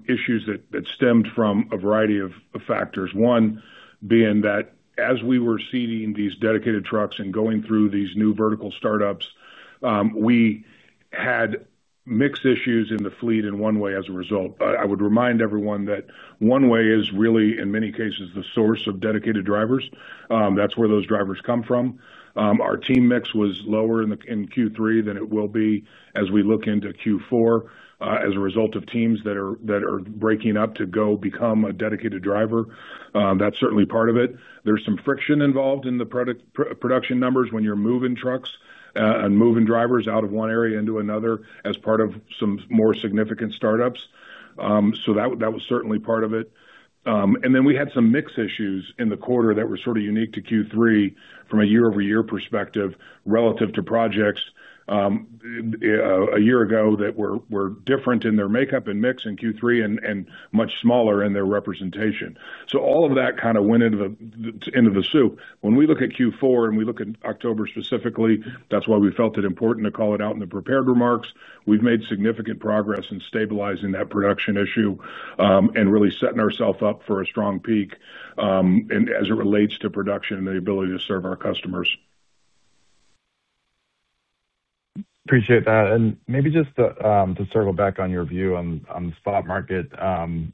issues that stemmed from a variety of factors. One being that as we were seeding these dedicated trucks and going through these new vertical startups, we had mixed issues in the fleet in one way as a result. I would remind everyone that one way is really, in many cases, the source of dedicated drivers. That's where those drivers come from. Our team mix was lower in Q3 than it will be as we look into Q4 as a result of teams that are breaking up to go become a dedicated driver. That's certainly part of it. There's some friction involved in the production numbers when you're moving trucks and moving drivers out of one area into another as part of some more significant startups. That was certainly part of it. We had some mix issues in the quarter that were sort of unique to Q3 from a year-over-year perspective relative to projects a year ago that were different in their makeup and mix in Q3 and much smaller in their representation. All of that kind of went into the soup. When we look at Q4 and we look at October specifically, that's why we felt it important to call it out in the prepared remarks. We've made significant progress in stabilizing that production issue and really setting ourself up for a strong peak as it relates to production and the ability to serve our customers. Appreciate that. Maybe just to circle back on your view on the spot market.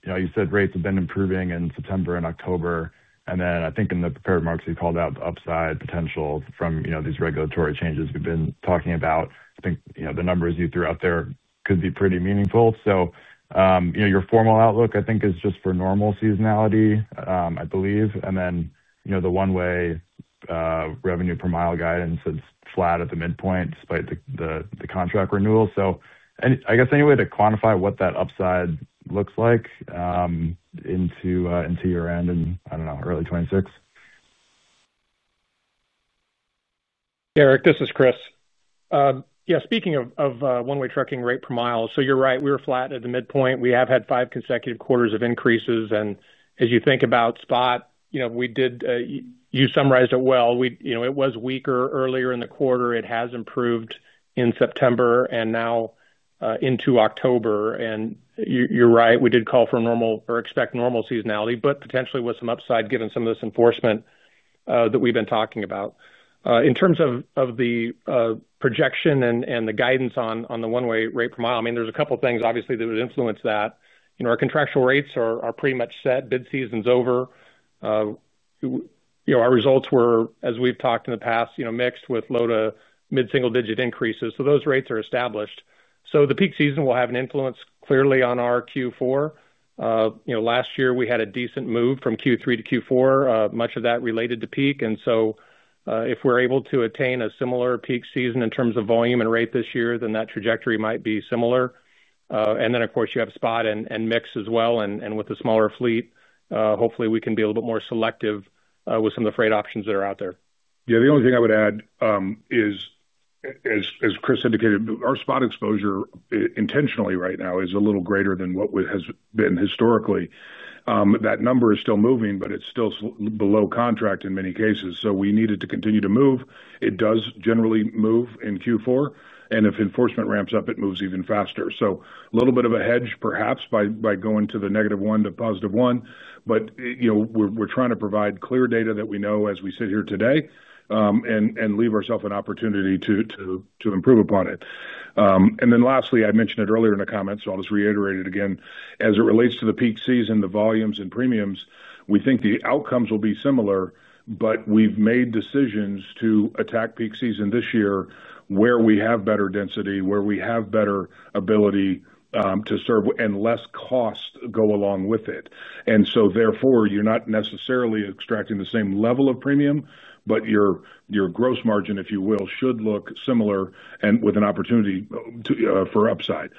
You said rates have been improving in September and October. I think in the prepared remarks, you called out the upside potential from these regulatory changes we've been talking about. I think the numbers you threw out there could be pretty meaningful. Your formal outlook, I think, is just for normal seasonality, I believe. And then the one-way. Revenue per mile guidance is flat at the midpoint despite the contract renewal. I guess any way to quantify what that upside looks like into year-end and, I don't know, early 2026? Eric, this is Chris. Yeah, speaking of one-way trucking rate per mile, you're right. We were flat at the midpoint. We have had five consecutive quarters of increases. As you think about spot, you summarized it well. It was weaker earlier in the quarter. It has improved in September and now into October. You're right. We did call for normal or expect normal seasonality, but potentially with some upside given some of this enforcement that we've been talking about. In terms of the projection and the guidance on the one-way rate per mile, there's a couple of things, obviously, that would influence that. Our contractual rates are pretty much set. Bid season's over. Our results were, as we've talked in the past, mixed with low to mid-single-digit increases. Those rates are established. The peak season will have an influence clearly on our Q4. Last year, we had a decent move from Q3 to Q4, much of that related to peak. If we're able to attain a similar peak season in terms of volume and rate this year, then that trajectory might be similar. Of course, you have spot and mix as well. With a smaller fleet, hopefully, we can be a little bit more selective with some of the freight options that are out there. The only thing I would add is, as Chris indicated, our spot exposure intentionally right now is a little greater than what has been historically. That number is still moving, but it's still below contract in many cases. We needed to continue to move. It does generally move in Q4. If enforcement ramps up, it moves even faster. A little bit of a hedge, perhaps, by going to the negative one to positive one. We're trying to provide clear data that we know as we sit here today and leave ourself an opportunity to improve upon it. Lastly, I mentioned it earlier in the comments, so I'll just reiterate it again. As it relates to the peak season, the volumes and premiums, we think the outcomes will be similar, but we've made decisions to attack peak season this year where we have better density, where we have better ability to serve and less cost go along with it. Therefore, you're not necessarily extracting the same level of premium, but your gross margin, if you will, should look similar and with an opportunity for upside.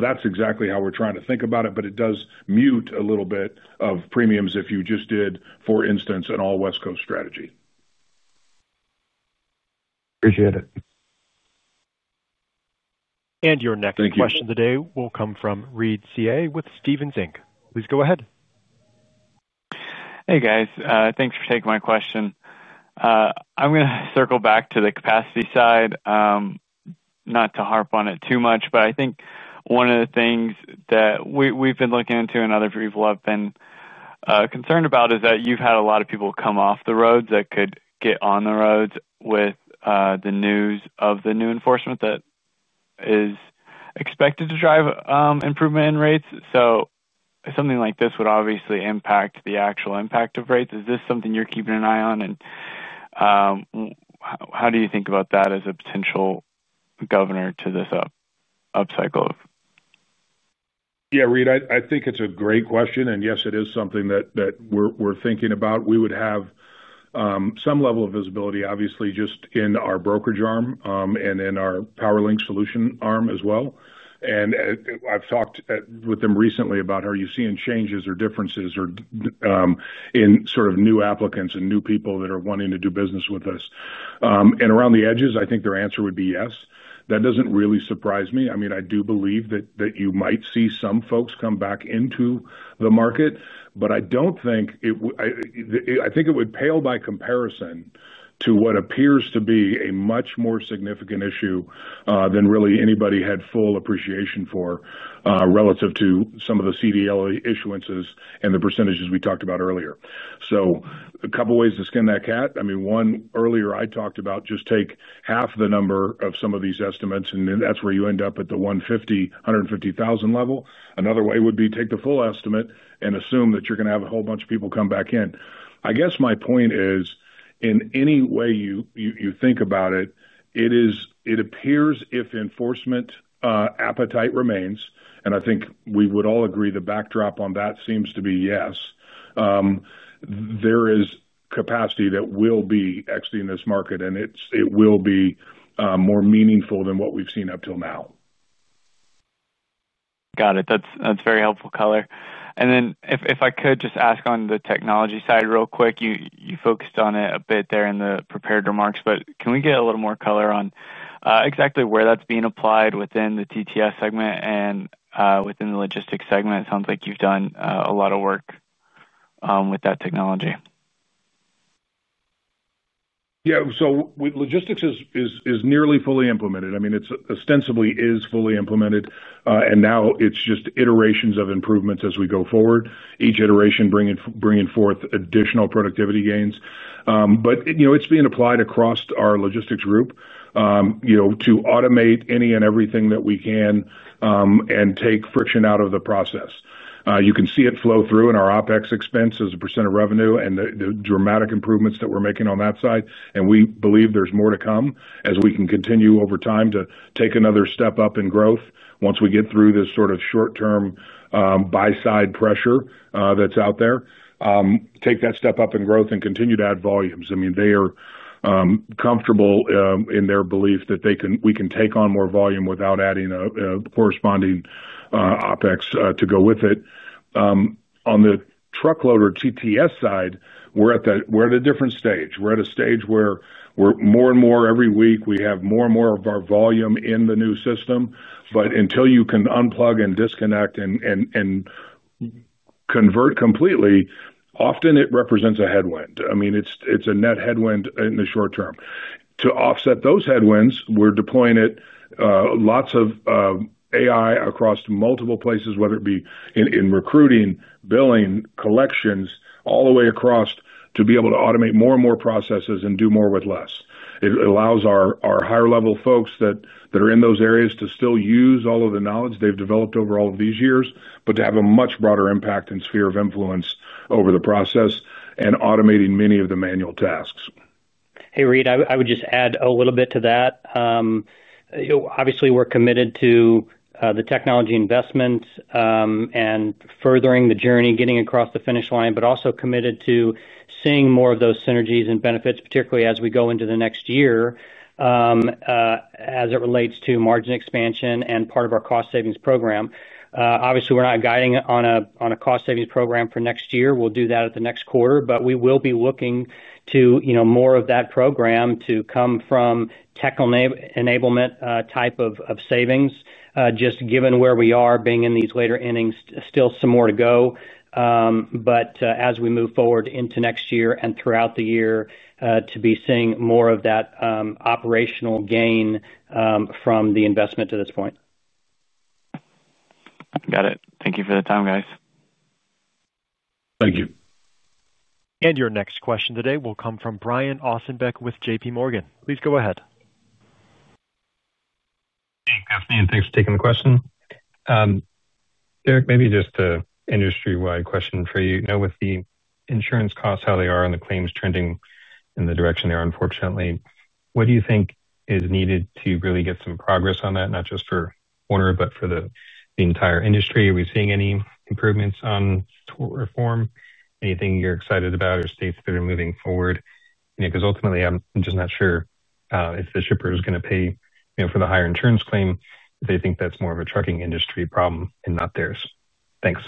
That's exactly how we're trying to think about it, but it does mute a little bit of premiums if you just did, for instance, an all-West Coast strategy. Appreciate it. Your next question today will come from Reed CA with Stevens Inc. Please go ahead. Hey, guys. Thanks for taking my question. I'm going to circle back to the capacity side. Not to harp on it too much, but I think one of the things that we've been looking into and other people have been concerned about is that you've had a lot of people come off the roads that could get on the roads with the news of the new enforcement that is expected to drive improvement in rates. Something like this would obviously impact the actual impact of rates. Is this something you're keeping an eye on? How do you think about that as a potential governor to this upcycle? Yeah, Reed, I think it's a great question. Yes, it is something that we're thinking about. We would have some level of visibility, obviously, just in our brokerage arm and in our PowerLink solution arm as well. I've talked with them recently about, are you seeing changes or differences in sort of new applicants and new people that are wanting to do business with us? Around the edges, I think their answer would be yes. That doesn't really surprise me. I do believe that you might see some folks come back into the market, but I don't think it would. I think it would pale by comparison to what appears to be a much more significant issue than really anybody had full appreciation for relative to some of the CDL issuances and the percentages we talked about earlier. A couple of ways to skin that cat. One, earlier I talked about just take half the number of some of these estimates, and that's where you end up at the 150,000 level. Another way would be take the full estimate and assume that you're going to have a whole bunch of people come back in. My point is, in any way you think about it, it appears if enforcement appetite remains, and I think we would all agree the backdrop on that seems to be yes, there is capacity that will be exiting this market, and it will be more meaningful than what we've seen up till now. Got it. That's very helpful, Color. If I could just ask on the technology side real quick, you focused on it a bit there in the prepared remarks, can we get a little more color on exactly where that's being applied within the TTS segment and within the logistics segment? It sounds like you've done a lot of work with that technology. Logistics is nearly fully implemented. I mean, it ostensibly is fully implemented, and now it's just iterations of improvements as we go forward, each iteration bringing forth additional productivity gains. It's being applied across our logistics group to automate any and everything that we can and take friction out of the process. You can see it flow through in our OpEx expense as a % of revenue and the dramatic improvements that we're making on that side. We believe there's more to come as we can continue over time to take another step up in growth once we get through this sort of short-term buy-side pressure that's out there. Take that step up in growth and continue to add volumes. They are comfortable in their belief that we can take on more volume without adding a corresponding OpEx to go with it. On the truckload or TTS side, we're at a different stage. We're at a stage where more and more every week we have more and more of our volume in the new system. Until you can unplug and disconnect and convert completely, often it represents a headwind. It's a net headwind in the short term. To offset those headwinds, we're deploying lots of AI across multiple places, whether it be in recruiting, billing, collections, all the way across to be able to automate more and more processes and do more with less. It allows our higher-level folks that are in those areas to still use all of the knowledge they've developed over all of these years, but to have a much broader impact and sphere of influence over the process and automating many of the manual tasks. I would just add a little bit to that. Obviously, we're committed to the technology investments and furthering the journey, getting across the finish line, but also committed to seeing more of those synergies and benefits, particularly as we go into the next year. As it relates to margin expansion and part of our cost savings program, we're not guiding on a cost savings program for next year. We'll do that at the next quarter, but we will be looking to more of that program to come from. Technical enablement type of savings, just given where we are being in these later innings, still some more to go. As we move forward into next year and throughout the year, to be seeing more of that operational gain from the investment to this point. Got it. Thank you for the time, guys. Your next question today will come from Brian Ossenbeck with JPMorgan. Please go ahead. Hey, Leathers, thanks for taking the question. Eric, maybe just an industry-wide question for you. With the insurance costs, how they are, and the claims trending in the direction they are, unfortunately, what do you think is needed to really get some progress on that, not just for Werner, but for the entire industry? Are we seeing any improvements on reform? Anything you're excited about or states that are moving forward? Ultimately, I'm just not sure if the shipper is going to pay for the higher insurance claim if they think that's more of a trucking industry problem and not theirs. Thanks.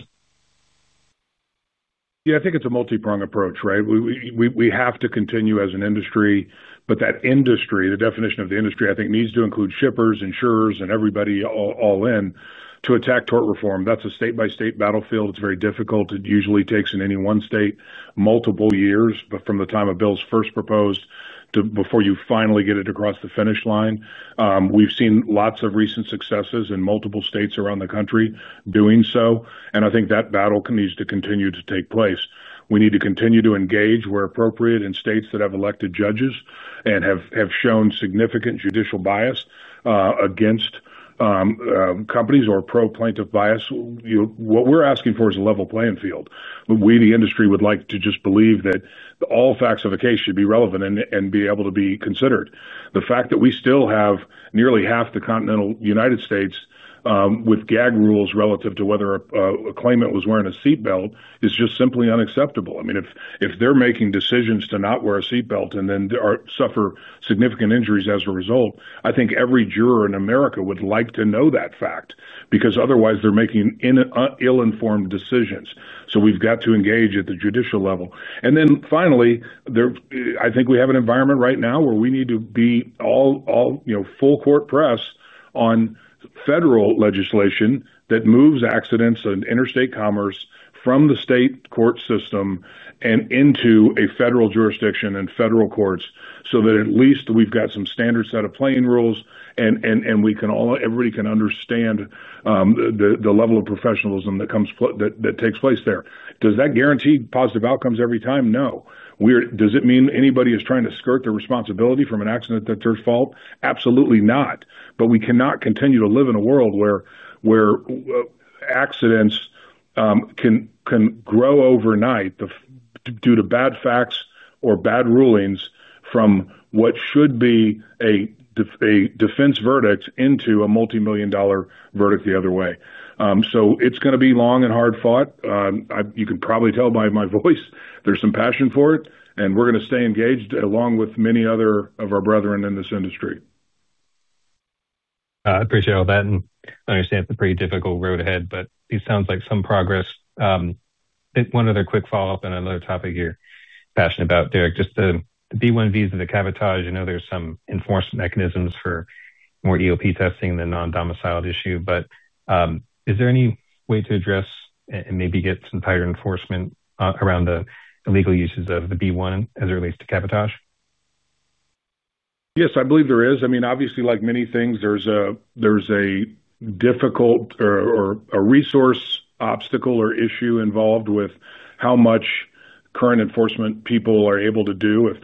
I think it's a multi-pronged approach, right? We have to continue as an industry, but that industry, the definition of the industry, I think needs to include shippers, insurers, and everybody all in to attack tort reform. That's a state-by-state battlefield. It's very difficult. It usually takes in any one state multiple years, but from the time a bill is first proposed to before you finally get it across the finish line, we've seen lots of recent successes in multiple states around the country doing so. I think that battle needs to continue to take place. We need to continue to engage where appropriate in states that have elected judges and have shown significant judicial bias against companies or pro-plaintiff bias. What we're asking for is a level playing field. We, the industry, would like to just believe that all facts of the case should be relevant and be able to be considered. The fact that we still have nearly half the continental United States with gag rules relative to whether a claimant was wearing a seatbelt is just simply unacceptable. If they're making decisions to not wear a seatbelt and then suffer significant injuries as a result, I think every juror in America would like to know that fact because otherwise they're making ill-informed decisions. We've got to engage at the judicial level. Finally, I think we have an environment right now where we need to be all full court press on. Federal legislation that moves accidents and interstate commerce from the state court system and into a federal jurisdiction and federal courts so that at least we've got some standard set of playing rules and everybody can understand the level of professionalism that takes place there. Does that guarantee positive outcomes every time? No. Does it mean anybody is trying to skirt their responsibility from an accident that's their fault? Absolutely not. We cannot continue to live in a world where accidents can grow overnight due to bad facts or bad rulings from what should be a defense verdict into a multi-million dollar verdict the other way. It's going to be long and hard fought. You can probably tell by my voice there's some passion for it, and we're going to stay engaged along with many other of our brethren in this industry. I appreciate all that. I understand it's a pretty difficult road ahead, but it sounds like some progress. One other quick follow-up on another topic you're passionate about, Derek, just the B-1 visa, the cabotage. I know there's some enforcement mechanisms for more EOP testing than non-domicile issue, but is there any way to address and maybe get some tighter enforcement around the illegal uses of the B-1 as it relates to cabotage? Yes, I believe there is. Obviously, like many things, there's a difficult or a resource obstacle or issue involved with how much current enforcement people are able to do if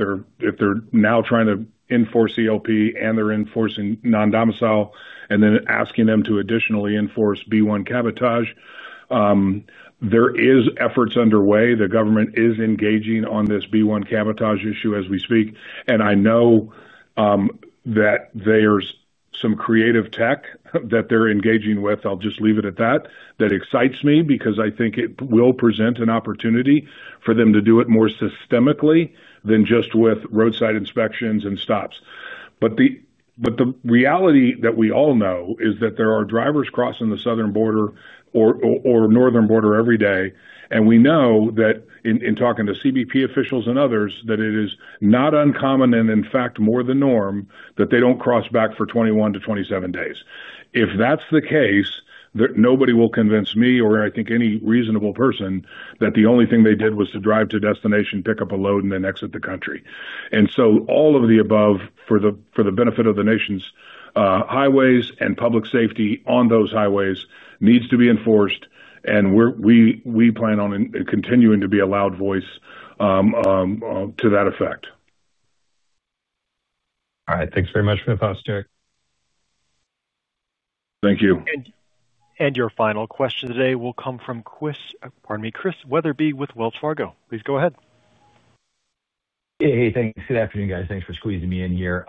they're now trying to enforce EOP and they're enforcing non-domicile and then asking them to additionally enforce B-1 cabotage. There are efforts underway. The government is engaging on this B-1 cabotage issue as we speak. I know that there's some creative tech that they're engaging with. I'll just leave it at that. That excites me because I think it will present an opportunity for them to do it more systemically than just with roadside inspections and stops. The reality that we all know is that there are drivers crossing the southern border or northern border every day. We know that in talking to CBP officials and others, it is not uncommon and in fact more the norm that they don't cross back for 21-27 days. If that's the case, nobody will convince me or I think any reasonable person that the only thing they did was to drive to destination, pick up a load, and then exit the country. All of the above, for the benefit of the nation's highways and public safety on those highways, needs to be enforced. We plan on continuing to be a loud voice to that effect. Thank you very much, Mr. Leathers. Thank you. Your final question today will come from Chris Weatherbee with Wells Fargo. Please go ahead. Hey, thanks. Good afternoon, guys. Thanks for squeezing me in here.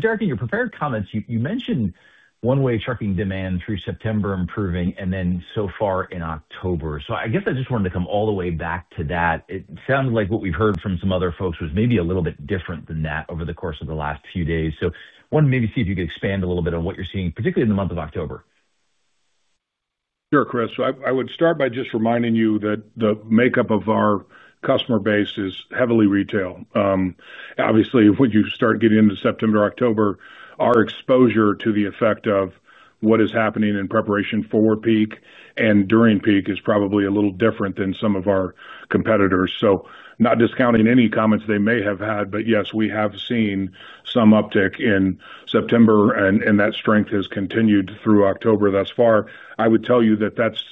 Derek, in your prepared comments, you mentioned one-way trucking demand through September improving and then so far in October. I just wanted to come all the way back to that. It sounded like what we've heard from some other folks was maybe a little bit different than that over the course of the last few days. I wanted to see if you could expand a little bit on what you're seeing, particularly in the month of October. Sure, Chris. I would start by just reminding you that the makeup of our customer base is heavily retail. Obviously, when you start getting into September and October, our exposure to the effect of what is happening in preparation for peak and during peak is probably a little different than some of our competitors. Not discounting any comments they may have had, but yes, we have seen some uptick in September, and that strength has continued through October thus far. I would tell you that that's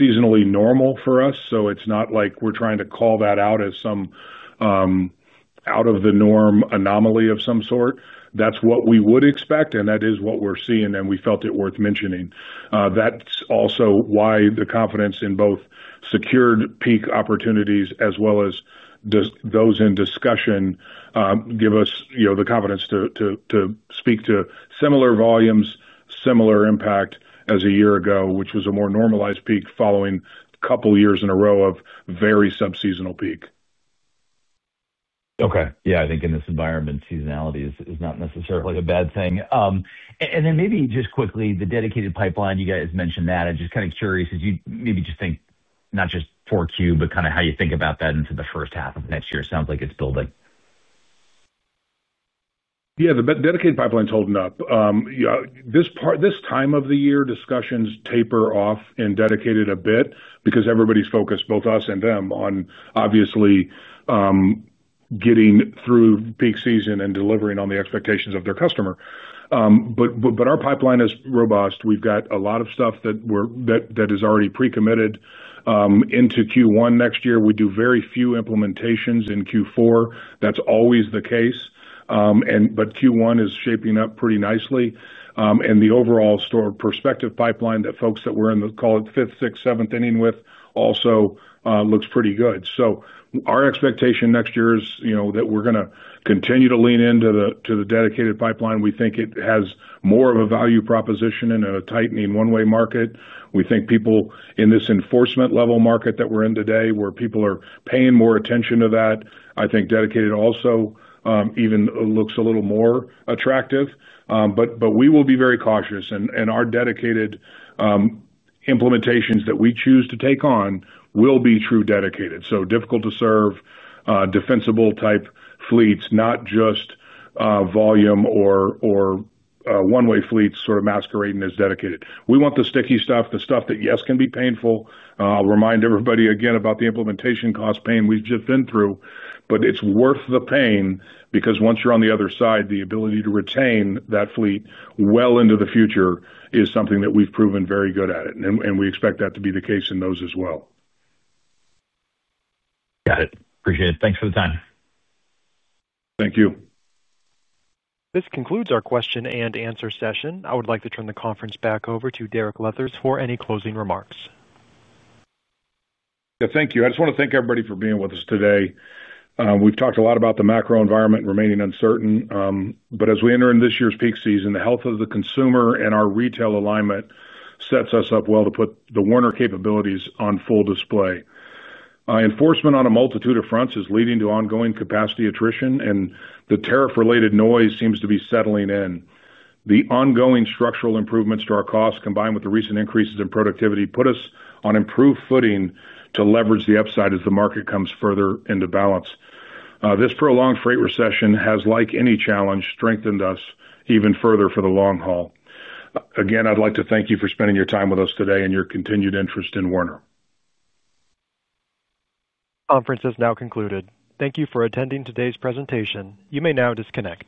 seasonally normal for us. It's not like we're trying to call that out as some out-of-the-norm anomaly of some sort. That's what we would expect, and that is what we're seeing, and we felt it worth mentioning. That's also why the confidence in both secured peak opportunities as well as those in discussion give us the confidence to speak to similar volumes, similar impact as a year ago, which was a more normalized peak following a couple of years in a row of very subseasonal peak. Okay. I think in this environment, seasonality is not necessarily a bad thing. Maybe just quickly, the dedicated pipeline, you guys mentioned that. I'm just kind of curious as you maybe just think not just for Q, but kind of how you think about that into the first half of next year. Sounds like it's building. Yeah. The dedicated pipeline is holding up. This time of the year, discussions taper off and dedicated it a bit because everybody's focused, both us and them, on obviously getting through peak season and delivering on the expectations of their customer. Our pipeline is robust. We've got a lot of stuff that. Is already pre-committed into Q1 next year. We do very few implementations in Q4. That's always the case. Q1 is shaping up pretty nicely. The overall perspective pipeline, the folks that we're in the, call it, fifth, sixth, seventh inning with, also looks pretty good. Our expectation next year is that we're going to continue to lean into the dedicated pipeline. We think it has more of a value proposition in a tightening one-way market. We think people in this enforcement-level market that we're in today, where people are paying more attention to that, dedicated also even looks a little more attractive. We will be very cautious. Our dedicated implementations that we choose to take on will be true dedicated, so difficult-to-serve, defensible type fleets, not just volume or one-way fleets sort of masquerading as dedicated. We want the sticky stuff, the stuff that, yes, can be painful. I'll remind everybody again about the implementation cost pain we've just been through. It's worth the pain because once you're on the other side, the ability to retain that fleet well into the future is something that we've proven very good at. We expect that to be the case in those as well. Got it. Appreciate it. Thanks for the time. Thank you. This concludes our question and answer session. I would like to turn the conference back over to Derek Leathers for any closing remarks. Yeah, thank you. I just want to thank everybody for being with us today. We've talked a lot about the macro environment remaining uncertain. As we enter in this year's peak season, the health of the consumer and our retail alignment sets us up well to put the Werner capabilities on full display. Enforcement on a multitude of fronts is leading to ongoing capacity attrition, and the tariff-related noise seems to be settling in. The ongoing structural improvements to our costs, combined with the recent increases in productivity, put us on improved footing to leverage the upside as the market comes further into balance. This prolonged freight recession has, like any challenge, strengthened us even further for the long haul. Again, I'd like to thank you for spending your time with us today and your continued interest in Werner. Conference is now concluded. Thank you for attending today's presentation. You may now disconnect.